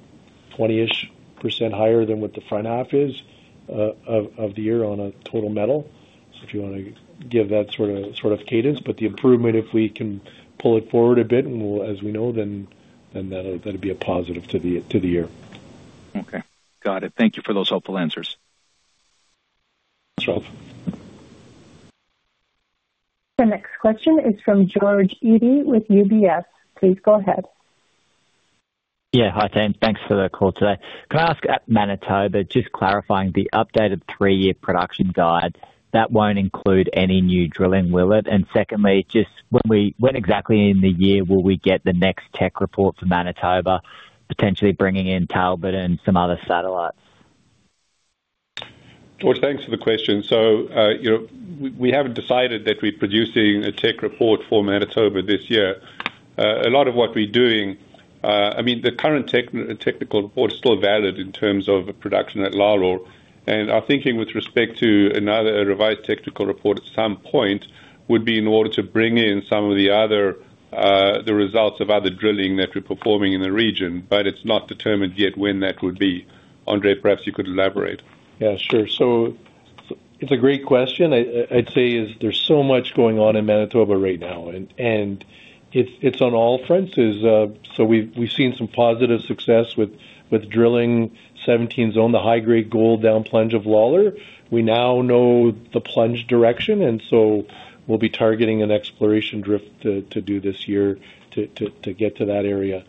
20-ish% higher than what the front half is of the year on a total metal. So if you want to give that sort of cadence, but the improvement, if we can pull it forward a bit, and we'll, as we know, then that'll be a positive to the year. Okay, got it. Thank you for those helpful answers. Sure. The next question is from George Eadie with UBS. Please go ahead. Yeah, hi, team. Thanks for the call today. Can I ask at Manitoba, just clarifying the updated three-year production guide, that won't include any new drilling, will it? And secondly, just when exactly in the year will we get the next tech report for Manitoba, potentially bringing in Talbot and some other satellites? George, thanks for the question. So, you know, we haven't decided that we're producing a tech report for Manitoba this year. A lot of what we're doing, I mean, the current technical report is still valid in terms of production at Lalor, and our thinking with respect to another, a revised technical report at some point would be in order to bring in some of the other, the results of other drilling that we're performing in the region. But it's not determined yet when that would be. Andre, perhaps you could elaborate. Yeah, sure. So it's a great question. I'd say there's so much going on in Manitoba right now, and it's on all fronts. So we've seen some positive success with drilling 17 Zone, the high-grade gold down plunge of Lalor. We now know the plunge direction, and so we'll be targeting an exploration drift to get to that area.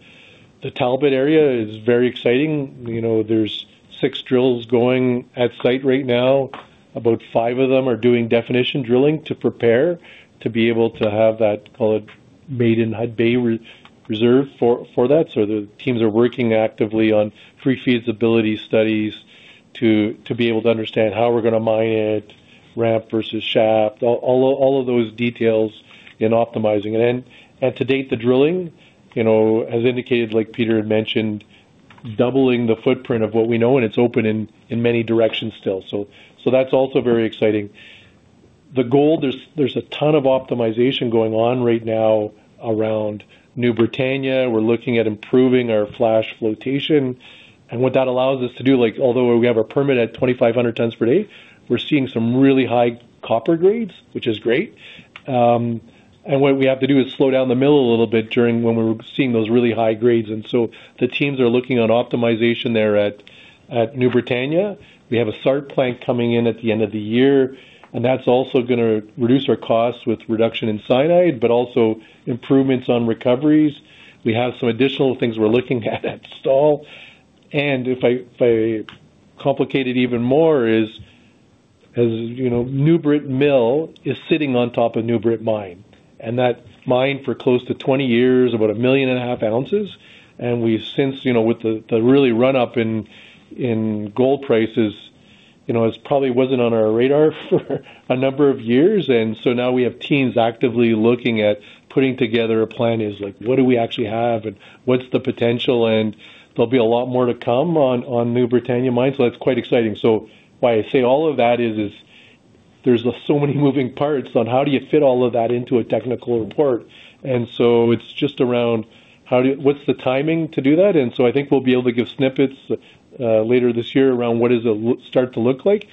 The Talbot area is very exciting. You know, there's six drills going at site right now. About five of them are doing definition drilling to prepare, to be able to have that, call it, maiden resource for that. So the teams are working actively on pre-feasibility studies to be able to understand how we're going to mine it, ramp versus shaft, all of those details in optimizing it. To date, the drilling, you know, as indicated, like Peter had mentioned, doubling the footprint of what we know, and it's open in many directions still. So that's also very exciting. The gold, there's a ton of optimization going on right now around New Britannia. We're looking at improving our flash flotation and what that allows us to do, like, although we have our permit at 2,500 tons per day, we're seeing some really high copper grades, which is great. And what we have to do is slow down the mill a little bit during when we're seeing those really high grades. And so the teams are looking on optimization there at New Britannia. We have a SART plant coming in at the end of the year, and that's also gonna reduce our costs with reduction in cyanide, but also improvements on recoveries. We have some additional things we're looking at, at Stall. And if I, if I complicate it even more, is, as you know, New Britannia Mill is sitting on top of New Britannia Mine, and that mine for close to 20 years, about 1.5 million ounces. And we've since, you know, with the, the really run up in, in gold prices, you know, it's probably wasn't on our radar for a number of years. And so now we have teams actively looking at putting together a plan, is like, what do we actually have, and what's the potential? And there'll be a lot more to come on, on New Britannia Mine. So that's quite exciting. So why I say all of that is, there's so many moving parts on how do you fit all of that into a technical report? And so it's just around, how do you what's the timing to do that? And so I think we'll be able to give snippets later this year around what does it start to look like.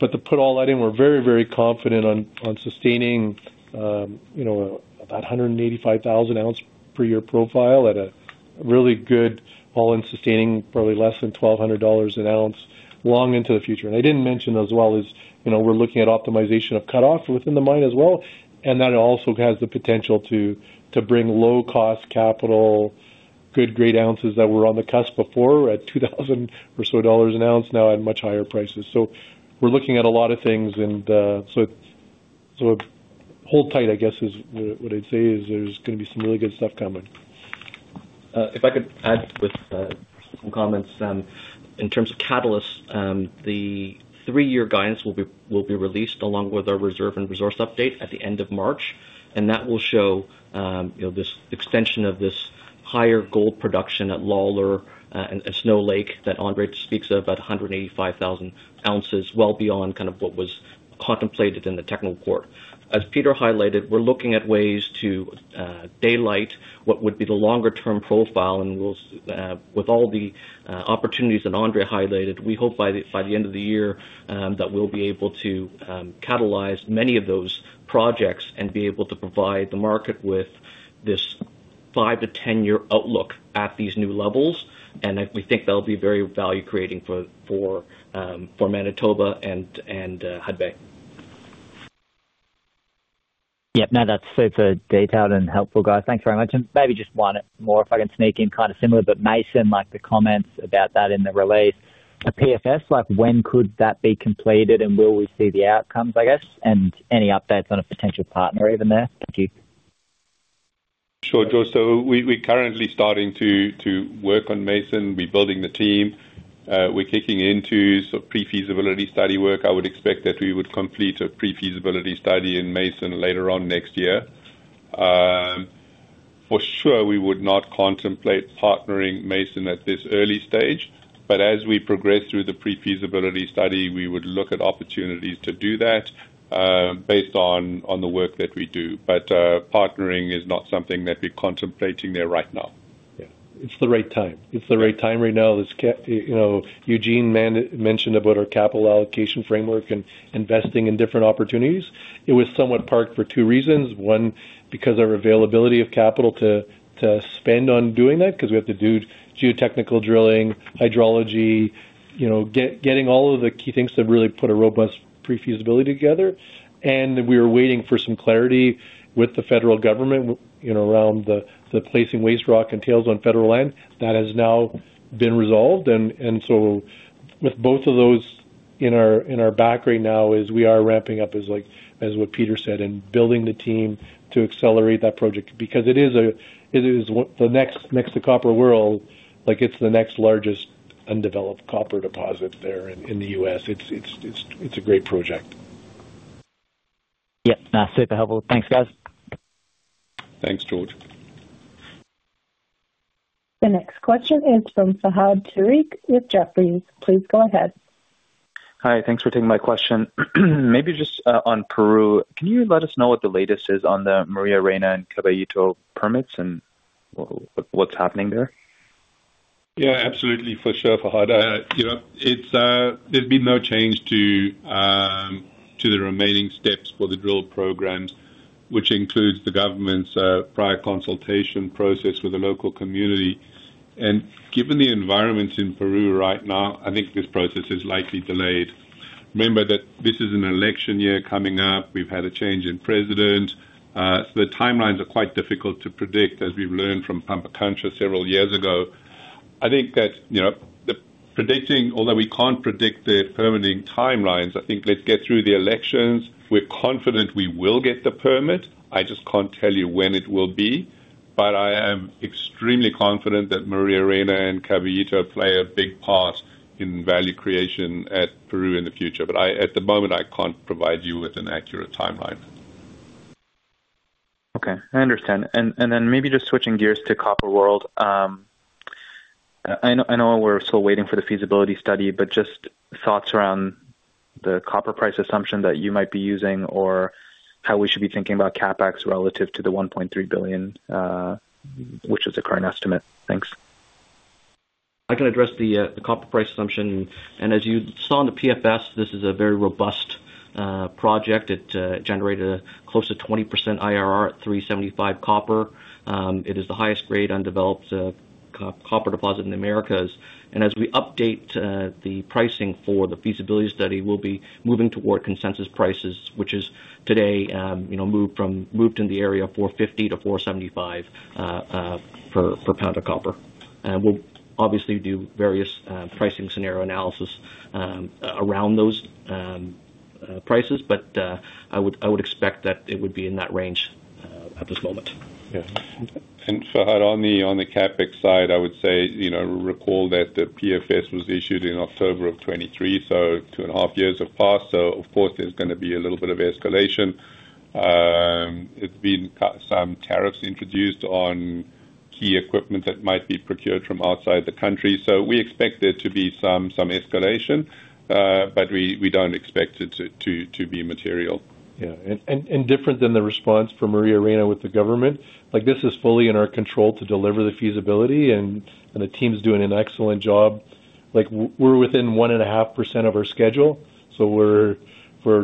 But to put all that in, we're very, very confident on sustaining, you know, about 185,000 ounce per year profile at a really good all-in sustaining, probably less than $1,200 an ounce, long into the future. I didn't mention, as well, you know, we're looking at optimization of cut-offs within the mine as well, and that also has the potential to bring low-cost capital, good grade ounces that were on the cusp before at $2000 or so an ounce, now at much higher prices. So we're looking at a lot of things, and, so hold tight, I guess, is what I'd say is, there's gonna be some really good stuff coming. If I could add with some comments. In terms of catalysts, the three-year guidance will be released along with our reserve and resource update at the end of March, and that will show, you know, this extension of this higher gold production at Lalor and Snow Lake that Andre speaks of, about 185,000 ounces, well beyond kind of what was contemplated in the technical quarter. As Peter highlighted, we're looking at ways to daylight what would be the longer term profile, and we'll, with all the opportunities that Andre highlighted, we hope by the end of the year that we'll be able to catalyze many of those projects and be able to provide the market with this 5 year-10 year outlook at these new levels. We think that'll be very value-creating for Manitoba and Hudbay. Yep. No, that's super detailed and helpful, guys. Thanks very much. And maybe just one more, if I can sneak in, kind of similar, but Mason, like the comments about that in the release, a PFS, like, when could that be completed, and will we see the outcomes, I guess? And any updates on a potential partner even there? Thank you. Sure, George. So we, we're currently starting to work on Mason. We're building the team. We're kicking into some pre-feasibility study work. I would expect that we would complete a pre-feasibility study in Mason later on next year. For sure, we would not contemplate partnering Mason at this early stage, but as we progress through the pre-feasibility study, we would look at opportunities to do that, based on the work that we do. But, partnering is not something that we're contemplating there right now. Yeah, it's the right time. It's the right time right now. As you know, Eugene mentioned about our capital allocation framework and investing in different opportunities. It was somewhat parked for two reasons. One, because our availability of capital to spend on doing that, 'cause we have to do geotechnical drilling, hydrology, you know, getting all of the key things that really put a robust pre-feasibility together. And we are waiting for some clarity with the federal government, you know, around the placing waste rock and tails on federal land. That has now been resolved, and so with both of those in our back right now, we are ramping up, as, like, as what Peter said, and building the team to accelerate that project. Because it is a, it is what the next to Copper World, like, it's the next largest undeveloped copper deposit there in the U.S. It's a great project. Yep. Nah, super helpful. Thanks, guys. Thanks, George. The next question is from Fahad Tariq with Jefferies. Please go ahead. Hi, thanks for taking my question. Maybe just, on Peru, can you let us know what the latest is on the Maria Reyna and Caballito permits and what's happening there? Yeah, absolutely, for sure, Fahad. You know, it's, there's been no change to, to the remaining steps for the drill programs, which includes the government's, prior consultation process with the local community. And given the environment in Peru right now, I think this process is likely delayed. Remember that this is an election year coming up. We've had a change in president. So the timelines are quite difficult to predict, as we've learned from Pampacancha several years ago. I think that, you know, the predicting, although we can't predict the permitting timelines, I think let's get through the elections. We're confident we will get the permit. I just can't tell you when it will be, but I am extremely confident that Maria Reyna and Caballito play a big part in value creation at Peru in the future, but I, at the moment, I can't provide you with an accurate timeline. Okay, I understand. And then maybe just switching gears to Copper World. I know we're still waiting for the feasibility study, but just thoughts around the copper price assumption that you might be using or how we should be thinking about CapEx relative to the $1.3 billion, which is the current estimate. Thanks. I can address the copper price assumption. As you saw in the PFS, this is a very robust project. It generated close to 20% IRR at $375 copper. It is the highest grade undeveloped copper deposit in Americas. As we update the pricing for the feasibility study, we'll be moving toward consensus prices, which is today, you know, moved in the area of $450-$475 per pound of copper. We'll obviously do various pricing scenario analysis around those prices, but I would expect that it would be in that range at this moment. Yeah. Fahad, on the CapEx side, I would say, you know, recall that the PFS was issued in October of 2023, so two and a half years have passed, so of course there's gonna be a little bit of escalation. It's been some tariffs introduced on key equipment that might be procured from outside the country, so we expect there to be some escalation, but we don't expect it to be material. Yeah. And different than the response from Maria Reyna with the government, like, this is fully in our control to deliver the feasibility, and the team's doing an excellent job. Like, we're within 1.5% of our schedule, so we're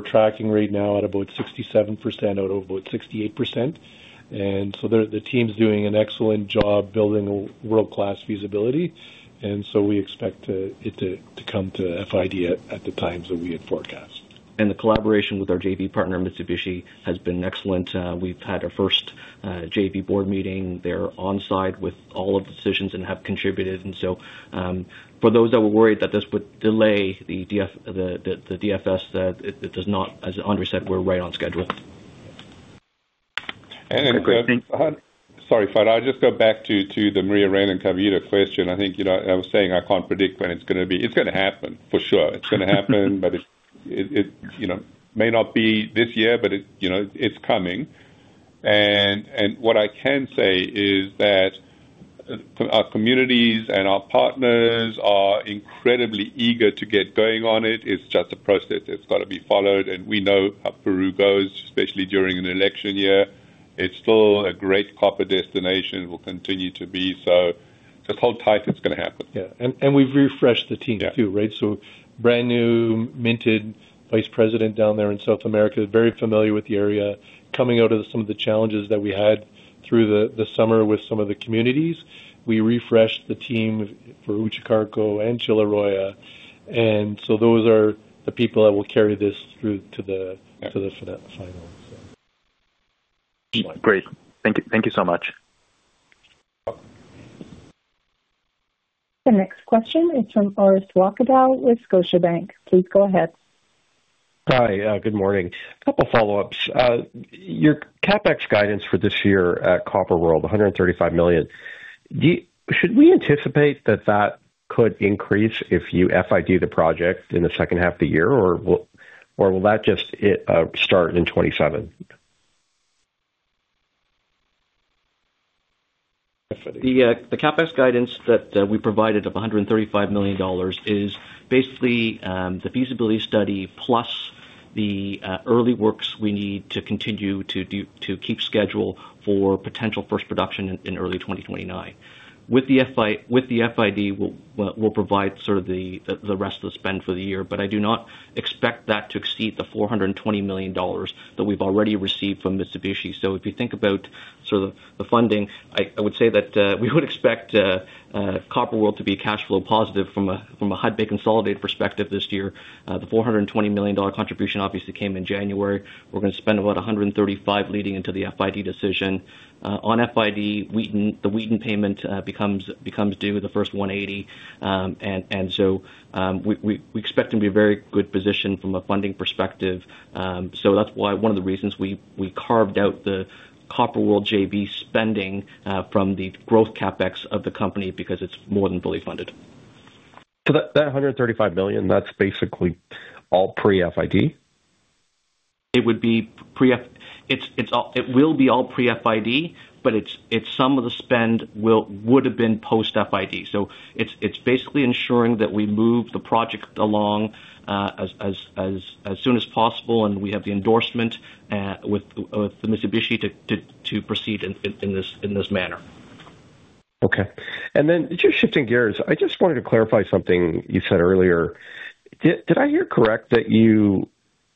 tracking right now at about 67%, out of about 68%. And so the team's doing an excellent job building a world-class feasibility, and so we expect it to come to FID at the times that we had forecast. The collaboration with our JV partner, Mitsubishi, has been excellent. We've had our first JV board meeting. They're on site with all of the decisions and have contributed. So, for those that were worried that this would delay the DFS, it does not. As Andre said, we're right on schedule. Sorry, Fahad, I'll just go back to the Maria Reyna and Caballito question. I think, you know, I was saying I can't predict when it's gonna be. It's gonna happen, for sure. It's gonna happen, but it, it, it, you know, may not be this year, but it, you know, it's coming. And what I can say is that our communities and our partners are incredibly eager to get going on it. It's just a process that's gotta be followed, and we know how Peru goes, especially during an election year. It's still a great copper destination. It will continue to be, so just hold tight, it's gonna happen. Yeah. And we've refreshed the team, too, right? Yeah. So brand new minted vice president down there in South America, very familiar with the area. Coming out of some of the challenges that we had through the summer with some of the communities, we refreshed the team for Uchucarcco and Chilloroya, and so those are the people that will carry this through to the final, so. Great. Thank you, thank you so much. The next question is from Orest Wowkodaw with Scotiabank. Please go ahead. Hi, good morning. A couple follow-ups. Your CapEx guidance for this year at Copper World, $135 million. Do you should we anticipate that that could increase if you FID the project in the second half of the year, or will, or will that just, it, start in 2027? The CapEx guidance that we provided of $135 million is basically the feasibility study, plus the early works we need to continue to do to keep schedule for potential first production in early 2029. With the FID, we'll provide sort of the rest of the spend for the year, but I do not expect that to exceed the $420 million that we've already received from Mitsubishi. So if you think about sort of the funding, I would say that we would expect Copper World to be cash flow positive from a Hudbay consolidated perspective this year. The $420 million dollar contribution obviously came in January. We're gonna spend about $135 million leading into the FID decision. On FID, Wheaton, the Wheaton payment becomes due the first 180. And so we expect to be a very good position from a funding perspective. So that's why one of the reasons we carved out the Copper World JV spending from the growth CapEx of the company, because it's more than fully funded. So that $135 million, that's basically all pre-FID? It would be pre-FID. It's all; it will be all pre-FID, but it's some of the spend would have been post-FID. So it's basically ensuring that we move the project along as soon as possible, and we have the endorsement with the Mitsubishi to proceed in this manner. Okay. Then just shifting gears, I just wanted to clarify something you said earlier. Did I hear correct that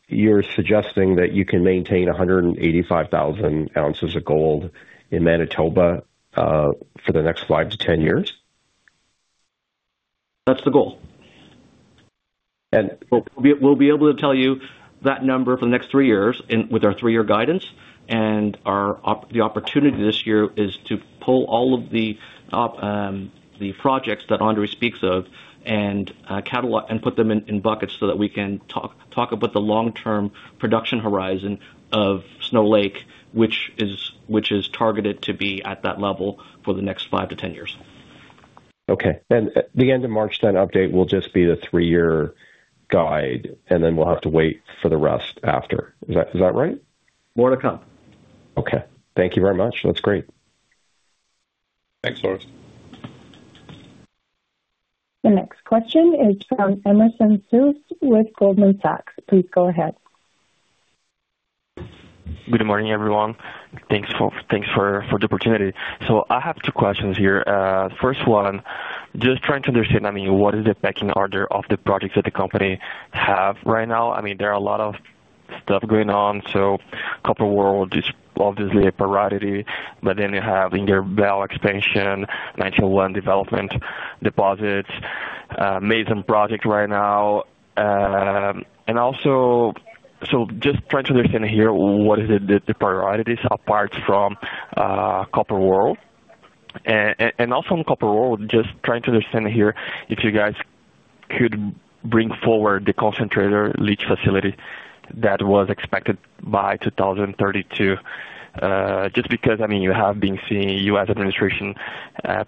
you're suggesting that you can maintain 185,000 ounces of gold in Manitoba for the next 5-10 years? That's the goal. We'll be able to tell you that number for the next 3 years in with our 3-year guidance, and the opportunity this year is to pull all of the projects that Andre speaks of and catalog and put them in buckets so that we can talk about the long-term production horizon of Snow Lake, which is targeted to be at that level for the next 5-10 years. Okay. At the end of March, then, update will just be the three-year guide, and then we'll have to wait for the rest after. Is that, is that right? More to come. Okay. Thank you very much. That's great. Thanks, Orest. The next question is from Emerson Sosa with Goldman Sachs. Please go ahead. Good morning, everyone. Thanks for the opportunity. So I have two questions here. First one, just trying to understand, I mean, what is the pecking order of the projects that the company have right now? I mean, there are a lot of stuff going on, so Copper World is obviously a priority, but then you have New Ingerbelle expansion, 1901 Deposit, Mason project right now. And also, so just trying to understand here, what is the priorities apart from Copper World? Also on Copper World, just trying to understand here, if you guys could bring forward the concentrator leach facility that was expected by 2032, just because, I mean, you have been seeing U.S. administration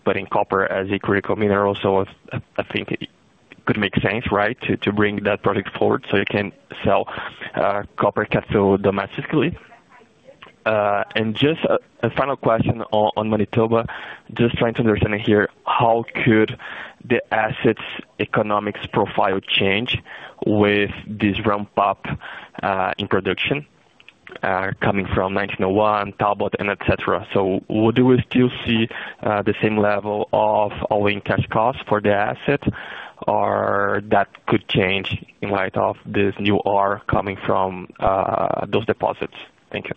putting copper as a critical mineral, so I think it could make sense, right, to bring that product forward so you can sell copper cathode domestically. And just a final question on Manitoba. Just trying to understand here, how could the asset's economics profile change with this ramp up in production coming from 1901, Talbot and et cetera. So would we still see the same level of all-in cash costs for the asset, or that could change in light of this new ore coming from those deposits? Thank you.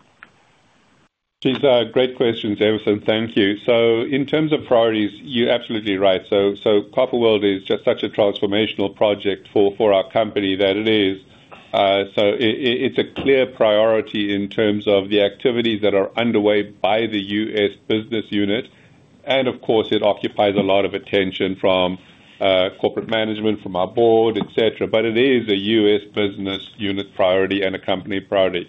These are great questions, Emerson, thank you. So in terms of priorities, you're absolutely right. So Copper World is just such a transformational project for our company that it is, so it's a clear priority in terms of the activities that are underway by the U.S. business unit. And of course, it occupies a lot of attention from corporate management, from our board, et cetera. But it is a U.S. business unit priority and a company priority.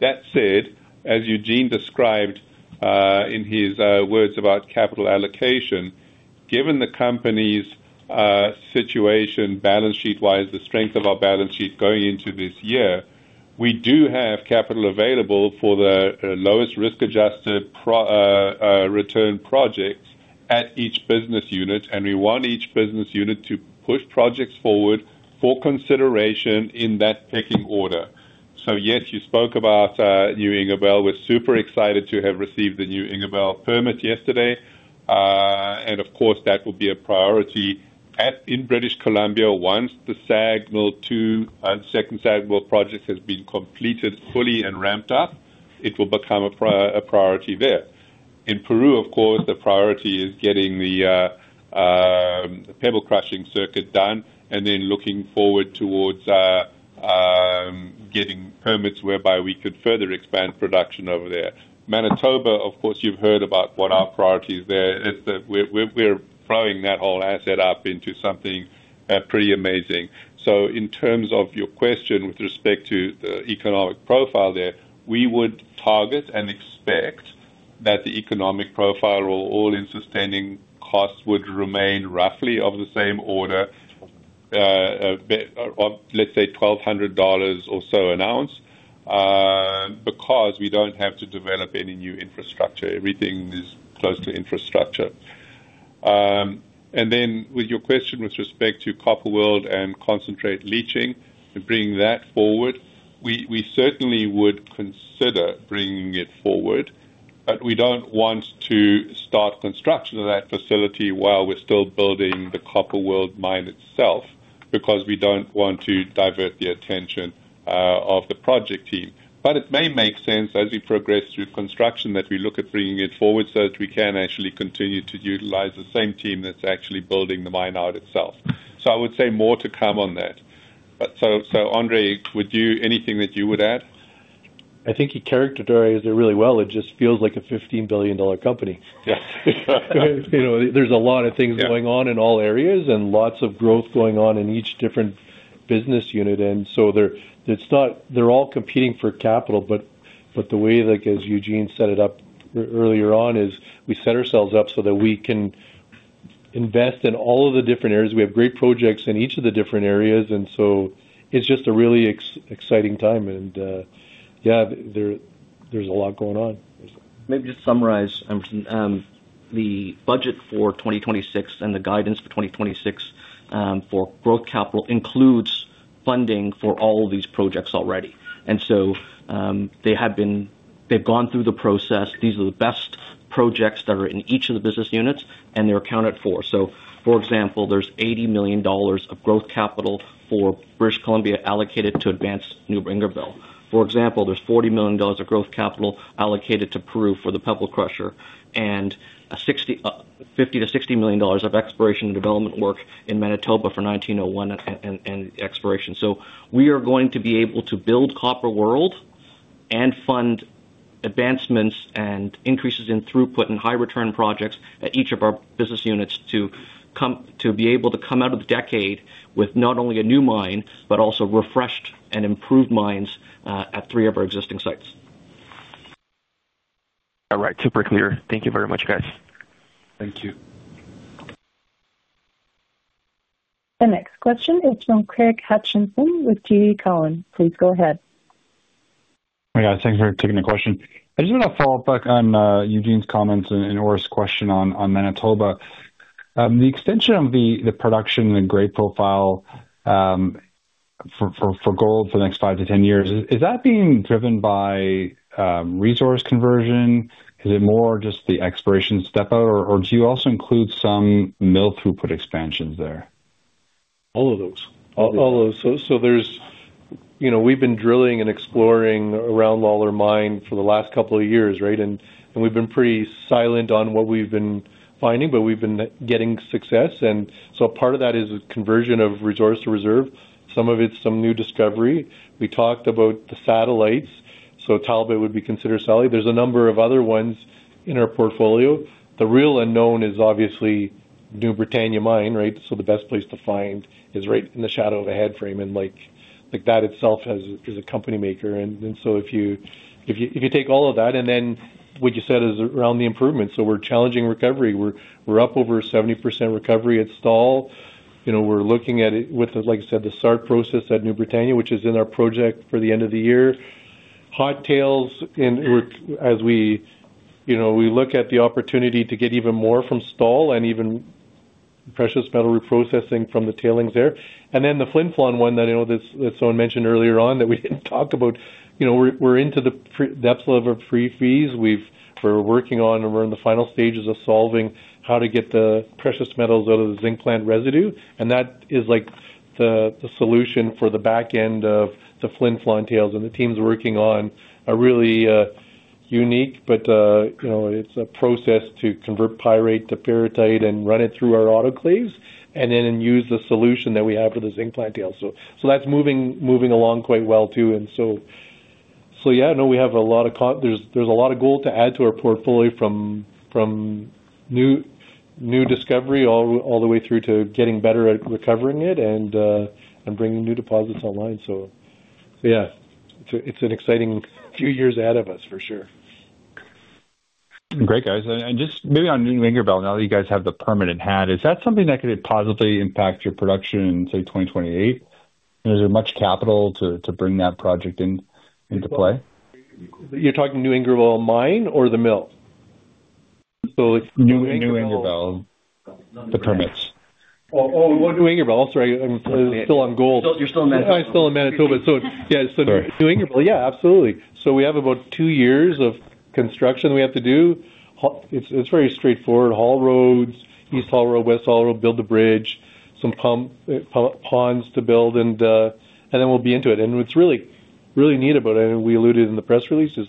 That said, as Eugene described in his words about capital allocation, given the company's situation, balance sheet-wise, the strength of our balance sheet going into this year, we do have capital available for the lowest risk-adjusted return projects at each business unit, and we want each business unit to push projects forward for consideration in that pecking order. Yes, you spoke about New Ingerbelle. We're super excited to have received the New Ingerbelle permit yesterday. And of course, that will be a priority in British Columbia, once the SAG mill 2, second SAG mill project has been completed fully and ramped up, it will become a priority there. In Peru, of course, the priority is getting the pebble crushing circuit done and then looking forward towards getting permits whereby we could further expand production over there. Manitoba, of course, you've heard about what our priority is there, is that we're throwing that whole asset up into something pretty amazing. So in terms of your question with respect to the economic profile there, we would target and expect that the economic profile or All-in Sustaining Costs would remain roughly of the same order, a bit of, let's say, $1,200 or so an ounce, because we don't have to develop any new infrastructure. Everything is close to infrastructure. And then with your question with respect to Copper World and concentrate leaching and bringing that forward, we, we certainly would consider bringing it forward, but we don't want to start construction of that facility while we're still building the Copper World mine itself, because we don't want to divert the attention of the project team. But it may make sense as we progress through construction that we look at bringing it forward so that we can actually continue to utilize the same team that's actually building the mine out itself. So I would say more to come on that. But so, Andre, would you add anything that you would add? I think you characterized it really well. It just feels like a 15 billion-dollar company. Yes. You know, there's a lot of things- Yeah Going on in all areas and lots of growth going on in each different business unit. And so they're, it's not—they're all competing for capital, but, but the way, like, as Eugene set it up earlier on, is we set ourselves up so that we can invest in all of the different areas. We have great projects in each of the different areas, and so it's just a really exciting time. And, yeah, there, there's a lot going on. Maybe just to summarize, the budget for 2026 and the guidance for 2026, for growth capital includes funding for all of these projects already. And so, they've gone through the process. These are the best projects that are in each of the business units, and they're accounted for. So, for example, there's $80 million of growth capital for British Columbia allocated to advance New Ingerbelle. For example, there's $40 million of growth capital allocated to Peru for the pebble crusher and $50-$60 million of exploration and development work in Manitoba for 1901 and exploration. We are going to be able to build Copper World and fund advancements and increases in throughput and high return projects at each of our business units to come, to be able to come out of the decade with not only a new mine, but also refreshed and improved mines at three of our existing sites. All right. Super clear. Thank you very much, guys. Thank you. The next question is from Craig Hutchison with TD Cowen. Please go ahead. Yeah, thanks for taking the question. I just want to follow up back on Eugene's comments and Orest's question on Manitoba. The extension of the production, the great profile for gold for the next 5-10 years, is that being driven by resource conversion? Is it more just the exploration step out, or do you also include some mill throughput expansions there? All of those. All of those. So there's, you know, we've been drilling and exploring around Lalor Mine for the last couple of years, right? And we've been pretty silent on what we've been finding, but we've been getting success. And so part of that is a conversion of resource reserve. Some of it's some new discovery. We talked about the satellites, so Talbot would be considered satellite. There's a number of other ones in our portfolio. The real unknown is obviously New Britannia Mine, right? So the best place to find is right in the shadow of a headframe, and like that itself is a company maker. And so if you take all of that and then what you said is around the improvement, so we're challenging recovery. We're up over 70% recovery at Stall. You know, we're looking at it with, like I said, the SART process at New Britannia, which is in our project for the end of the year. Hot tails in work as we, you know, we look at the opportunity to get even more from Stall and even precious metal reprocessing from the tailings there. And then the Flin Flon one that, you know, that, that someone mentioned earlier on that we didn't talk about. You know, we're, we're into the pre-feas, detailed level of pre-feas. We've—we're working on, and we're in the final stages of solving how to get the precious metals out of the zinc plant residue, and that is like the, the solution for the back end of the Flin Flon tails. And the team's working on a really, unique, but you know, it's a process to convert pyrite to pyrrhotite and run it through our autoclaves and then use the solution that we have for the zinc plant tail. So that's moving along quite well, too. And so yeah, no, we have a lot of. There's a lot of gold to add to our portfolio from new discovery, all the way through to getting better at recovering it and bringing new deposits online. So yeah, it's an exciting few years ahead of us, for sure. Great, guys. Just maybe on New Ingerbelle, now that you guys have the permanent hat, is that something that could possibly impact your production in, say, 2028? Is there much capital to bring that project into play? You're talking New Ingerbelle mine or the mill? It's New Ingerbelle, the permits. Oh, oh, New Ingerbelle. Sorry, I'm still on gold. You're still in Manitoba. I'm still in Manitoba, so yeah, so New Ingerbelle. Yeah, absolutely. So we have about two years of construction we have to do. It's, it's very straightforward. Haul roads, east haul road, west haul road, build the bridge, some pump, ponds to build, and then we'll be into it. And what's really, really neat about it, and we alluded in the press release, is,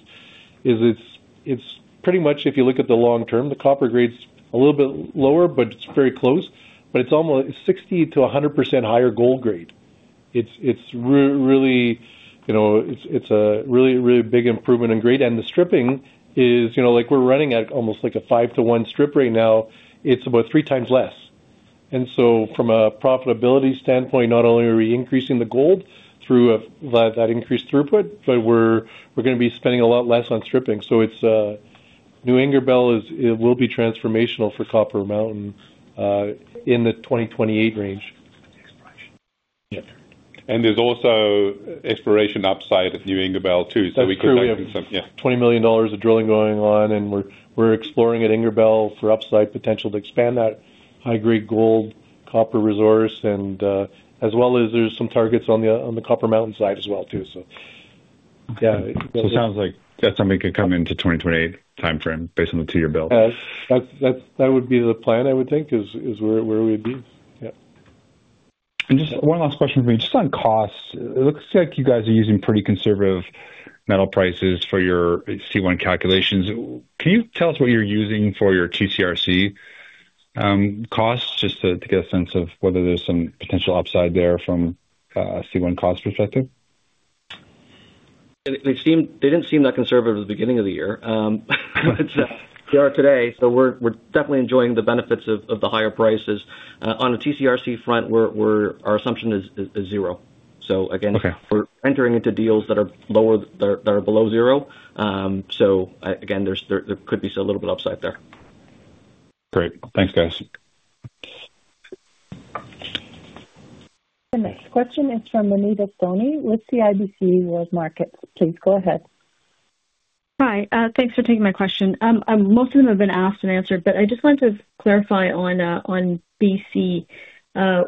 is it's, it's pretty much if you look at the long term, the copper grade's a little bit lower, but it's very close, but it's almost 60%-100% higher gold grade. It's, it's really, you know, it's, it's a really, really big improvement in grade, and the stripping is, you know, like we're running at almost like a 5-to-1 strip right now. It's about three times less. And so from a profitability standpoint, not only are we increasing the gold through that increased throughput, but we're gonna be spending a lot less on stripping. So it's New Ingerbelle, it will be transformational for Copper Mountain in the 2028 range. Yeah. There's also exploration upside of New Ingerbelle, too, so we could- That's true. Yeah. $20 million of drilling going on, and we're, we're exploring at Ingerbelle for upside potential to expand that high-grade gold, copper resource and, as well as there's some targets on the Copper Mountain side as well, too, so yeah. It sounds like that's something that could come into 2028 timeframe based on the 2-year build. Yes. That would be the plan I would think is where we'd be. Yeah. Just one last question for you, just on costs. It looks like you guys are using pretty conservative metal prices for your C1 calculations. Can you tell us what you're using for your TC/RC costs? Just to get a sense of whether there's some potential upside there from a C1 cost perspective. They seem they didn't seem that conservative at the beginning of the year, they are today, so we're definitely enjoying the benefits of the higher prices. On the TC/RC front, our assumption is zero. Okay. So again, we're entering into deals that are lower, that are below zero. So again, there could be a little bit upside there. Great. Thanks, guys. The next question is from Anita Soni with CIBC World Markets. Please go ahead. Hi, thanks for taking my question. Most of them have been asked and answered, but I just wanted to clarify on BC,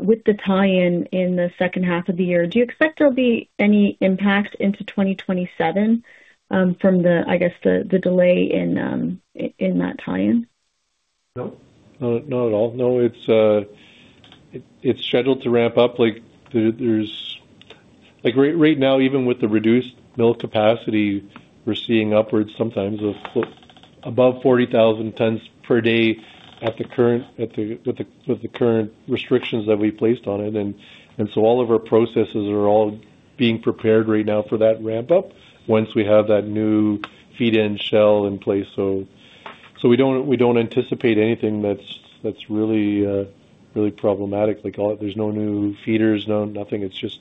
with the tie-in in the second half of the year. Do you expect there'll be any impact into 2027 from the, I guess, the delay in that tie-in? No, not at all. No, it's scheduled to ramp up, like, there's like, right now, even with the reduced mill capacity, we're seeing upwards sometimes of above 40,000 tons per day with the current restrictions that we placed on it. And so all of our processes are all being prepared right now for that ramp-up once we have that new feed end shell in place, so we don't anticipate anything that's really problematic. Like I said, there's no new feeders, no nothing. It's just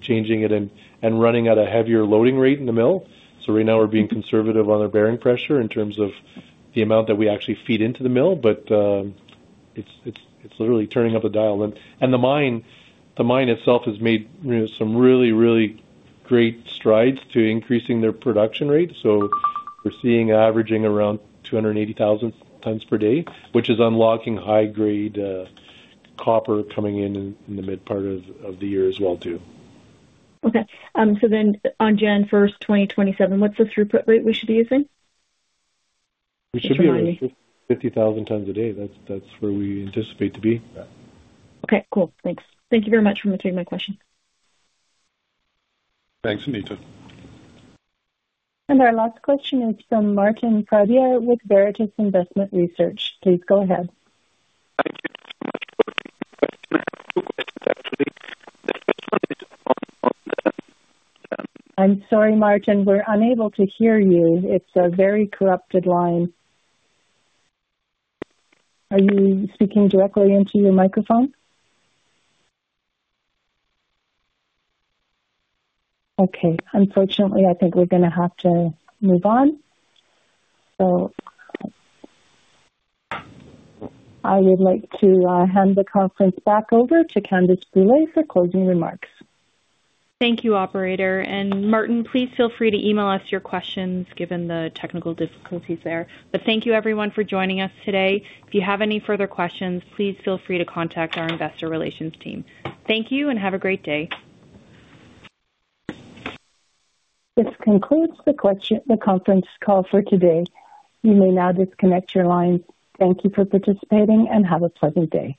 changing it and running at a heavier loading rate in the mill. So right now we're being conservative on our bearing pressure in terms of the amount that we actually feed into the mill, but it's literally turning up a dial. The mine itself has made some really, really great strides to increasing their production rate. So we're seeing averaging around 280,000 tons per day, which is unlocking high-grade copper coming in the mid part of the year as well, too. Okay. So then on January first, 2027, what's the throughput rate we should be using? We should be around 50,000 tons a day. That's, that's where we anticipate to be. Okay, cool. Thanks. Thank you very much for taking my question. Thanks, Anita. Our last question is from Martin Pradier with Veritas Investment Research. Please go ahead. Thank you so much for taking my question. I have two questions, actually. The first one is on the- I'm sorry, Martin, we're unable to hear you. It's a very corrupted line. Are you speaking directly into your microphone? Okay, unfortunately, I think we're gonna have to move on. So I would like to hand the conference back over to Candace Brulé for closing remarks. Thank you, operator. Martin, please feel free to email us your questions, given the technical difficulties there. Thank you, everyone, for joining us today. If you have any further questions, please feel free to contact our investor relations team. Thank you and have a great day. This concludes the question, the conference call for today. You may now disconnect your line. Thank you for participating, and have a pleasant day.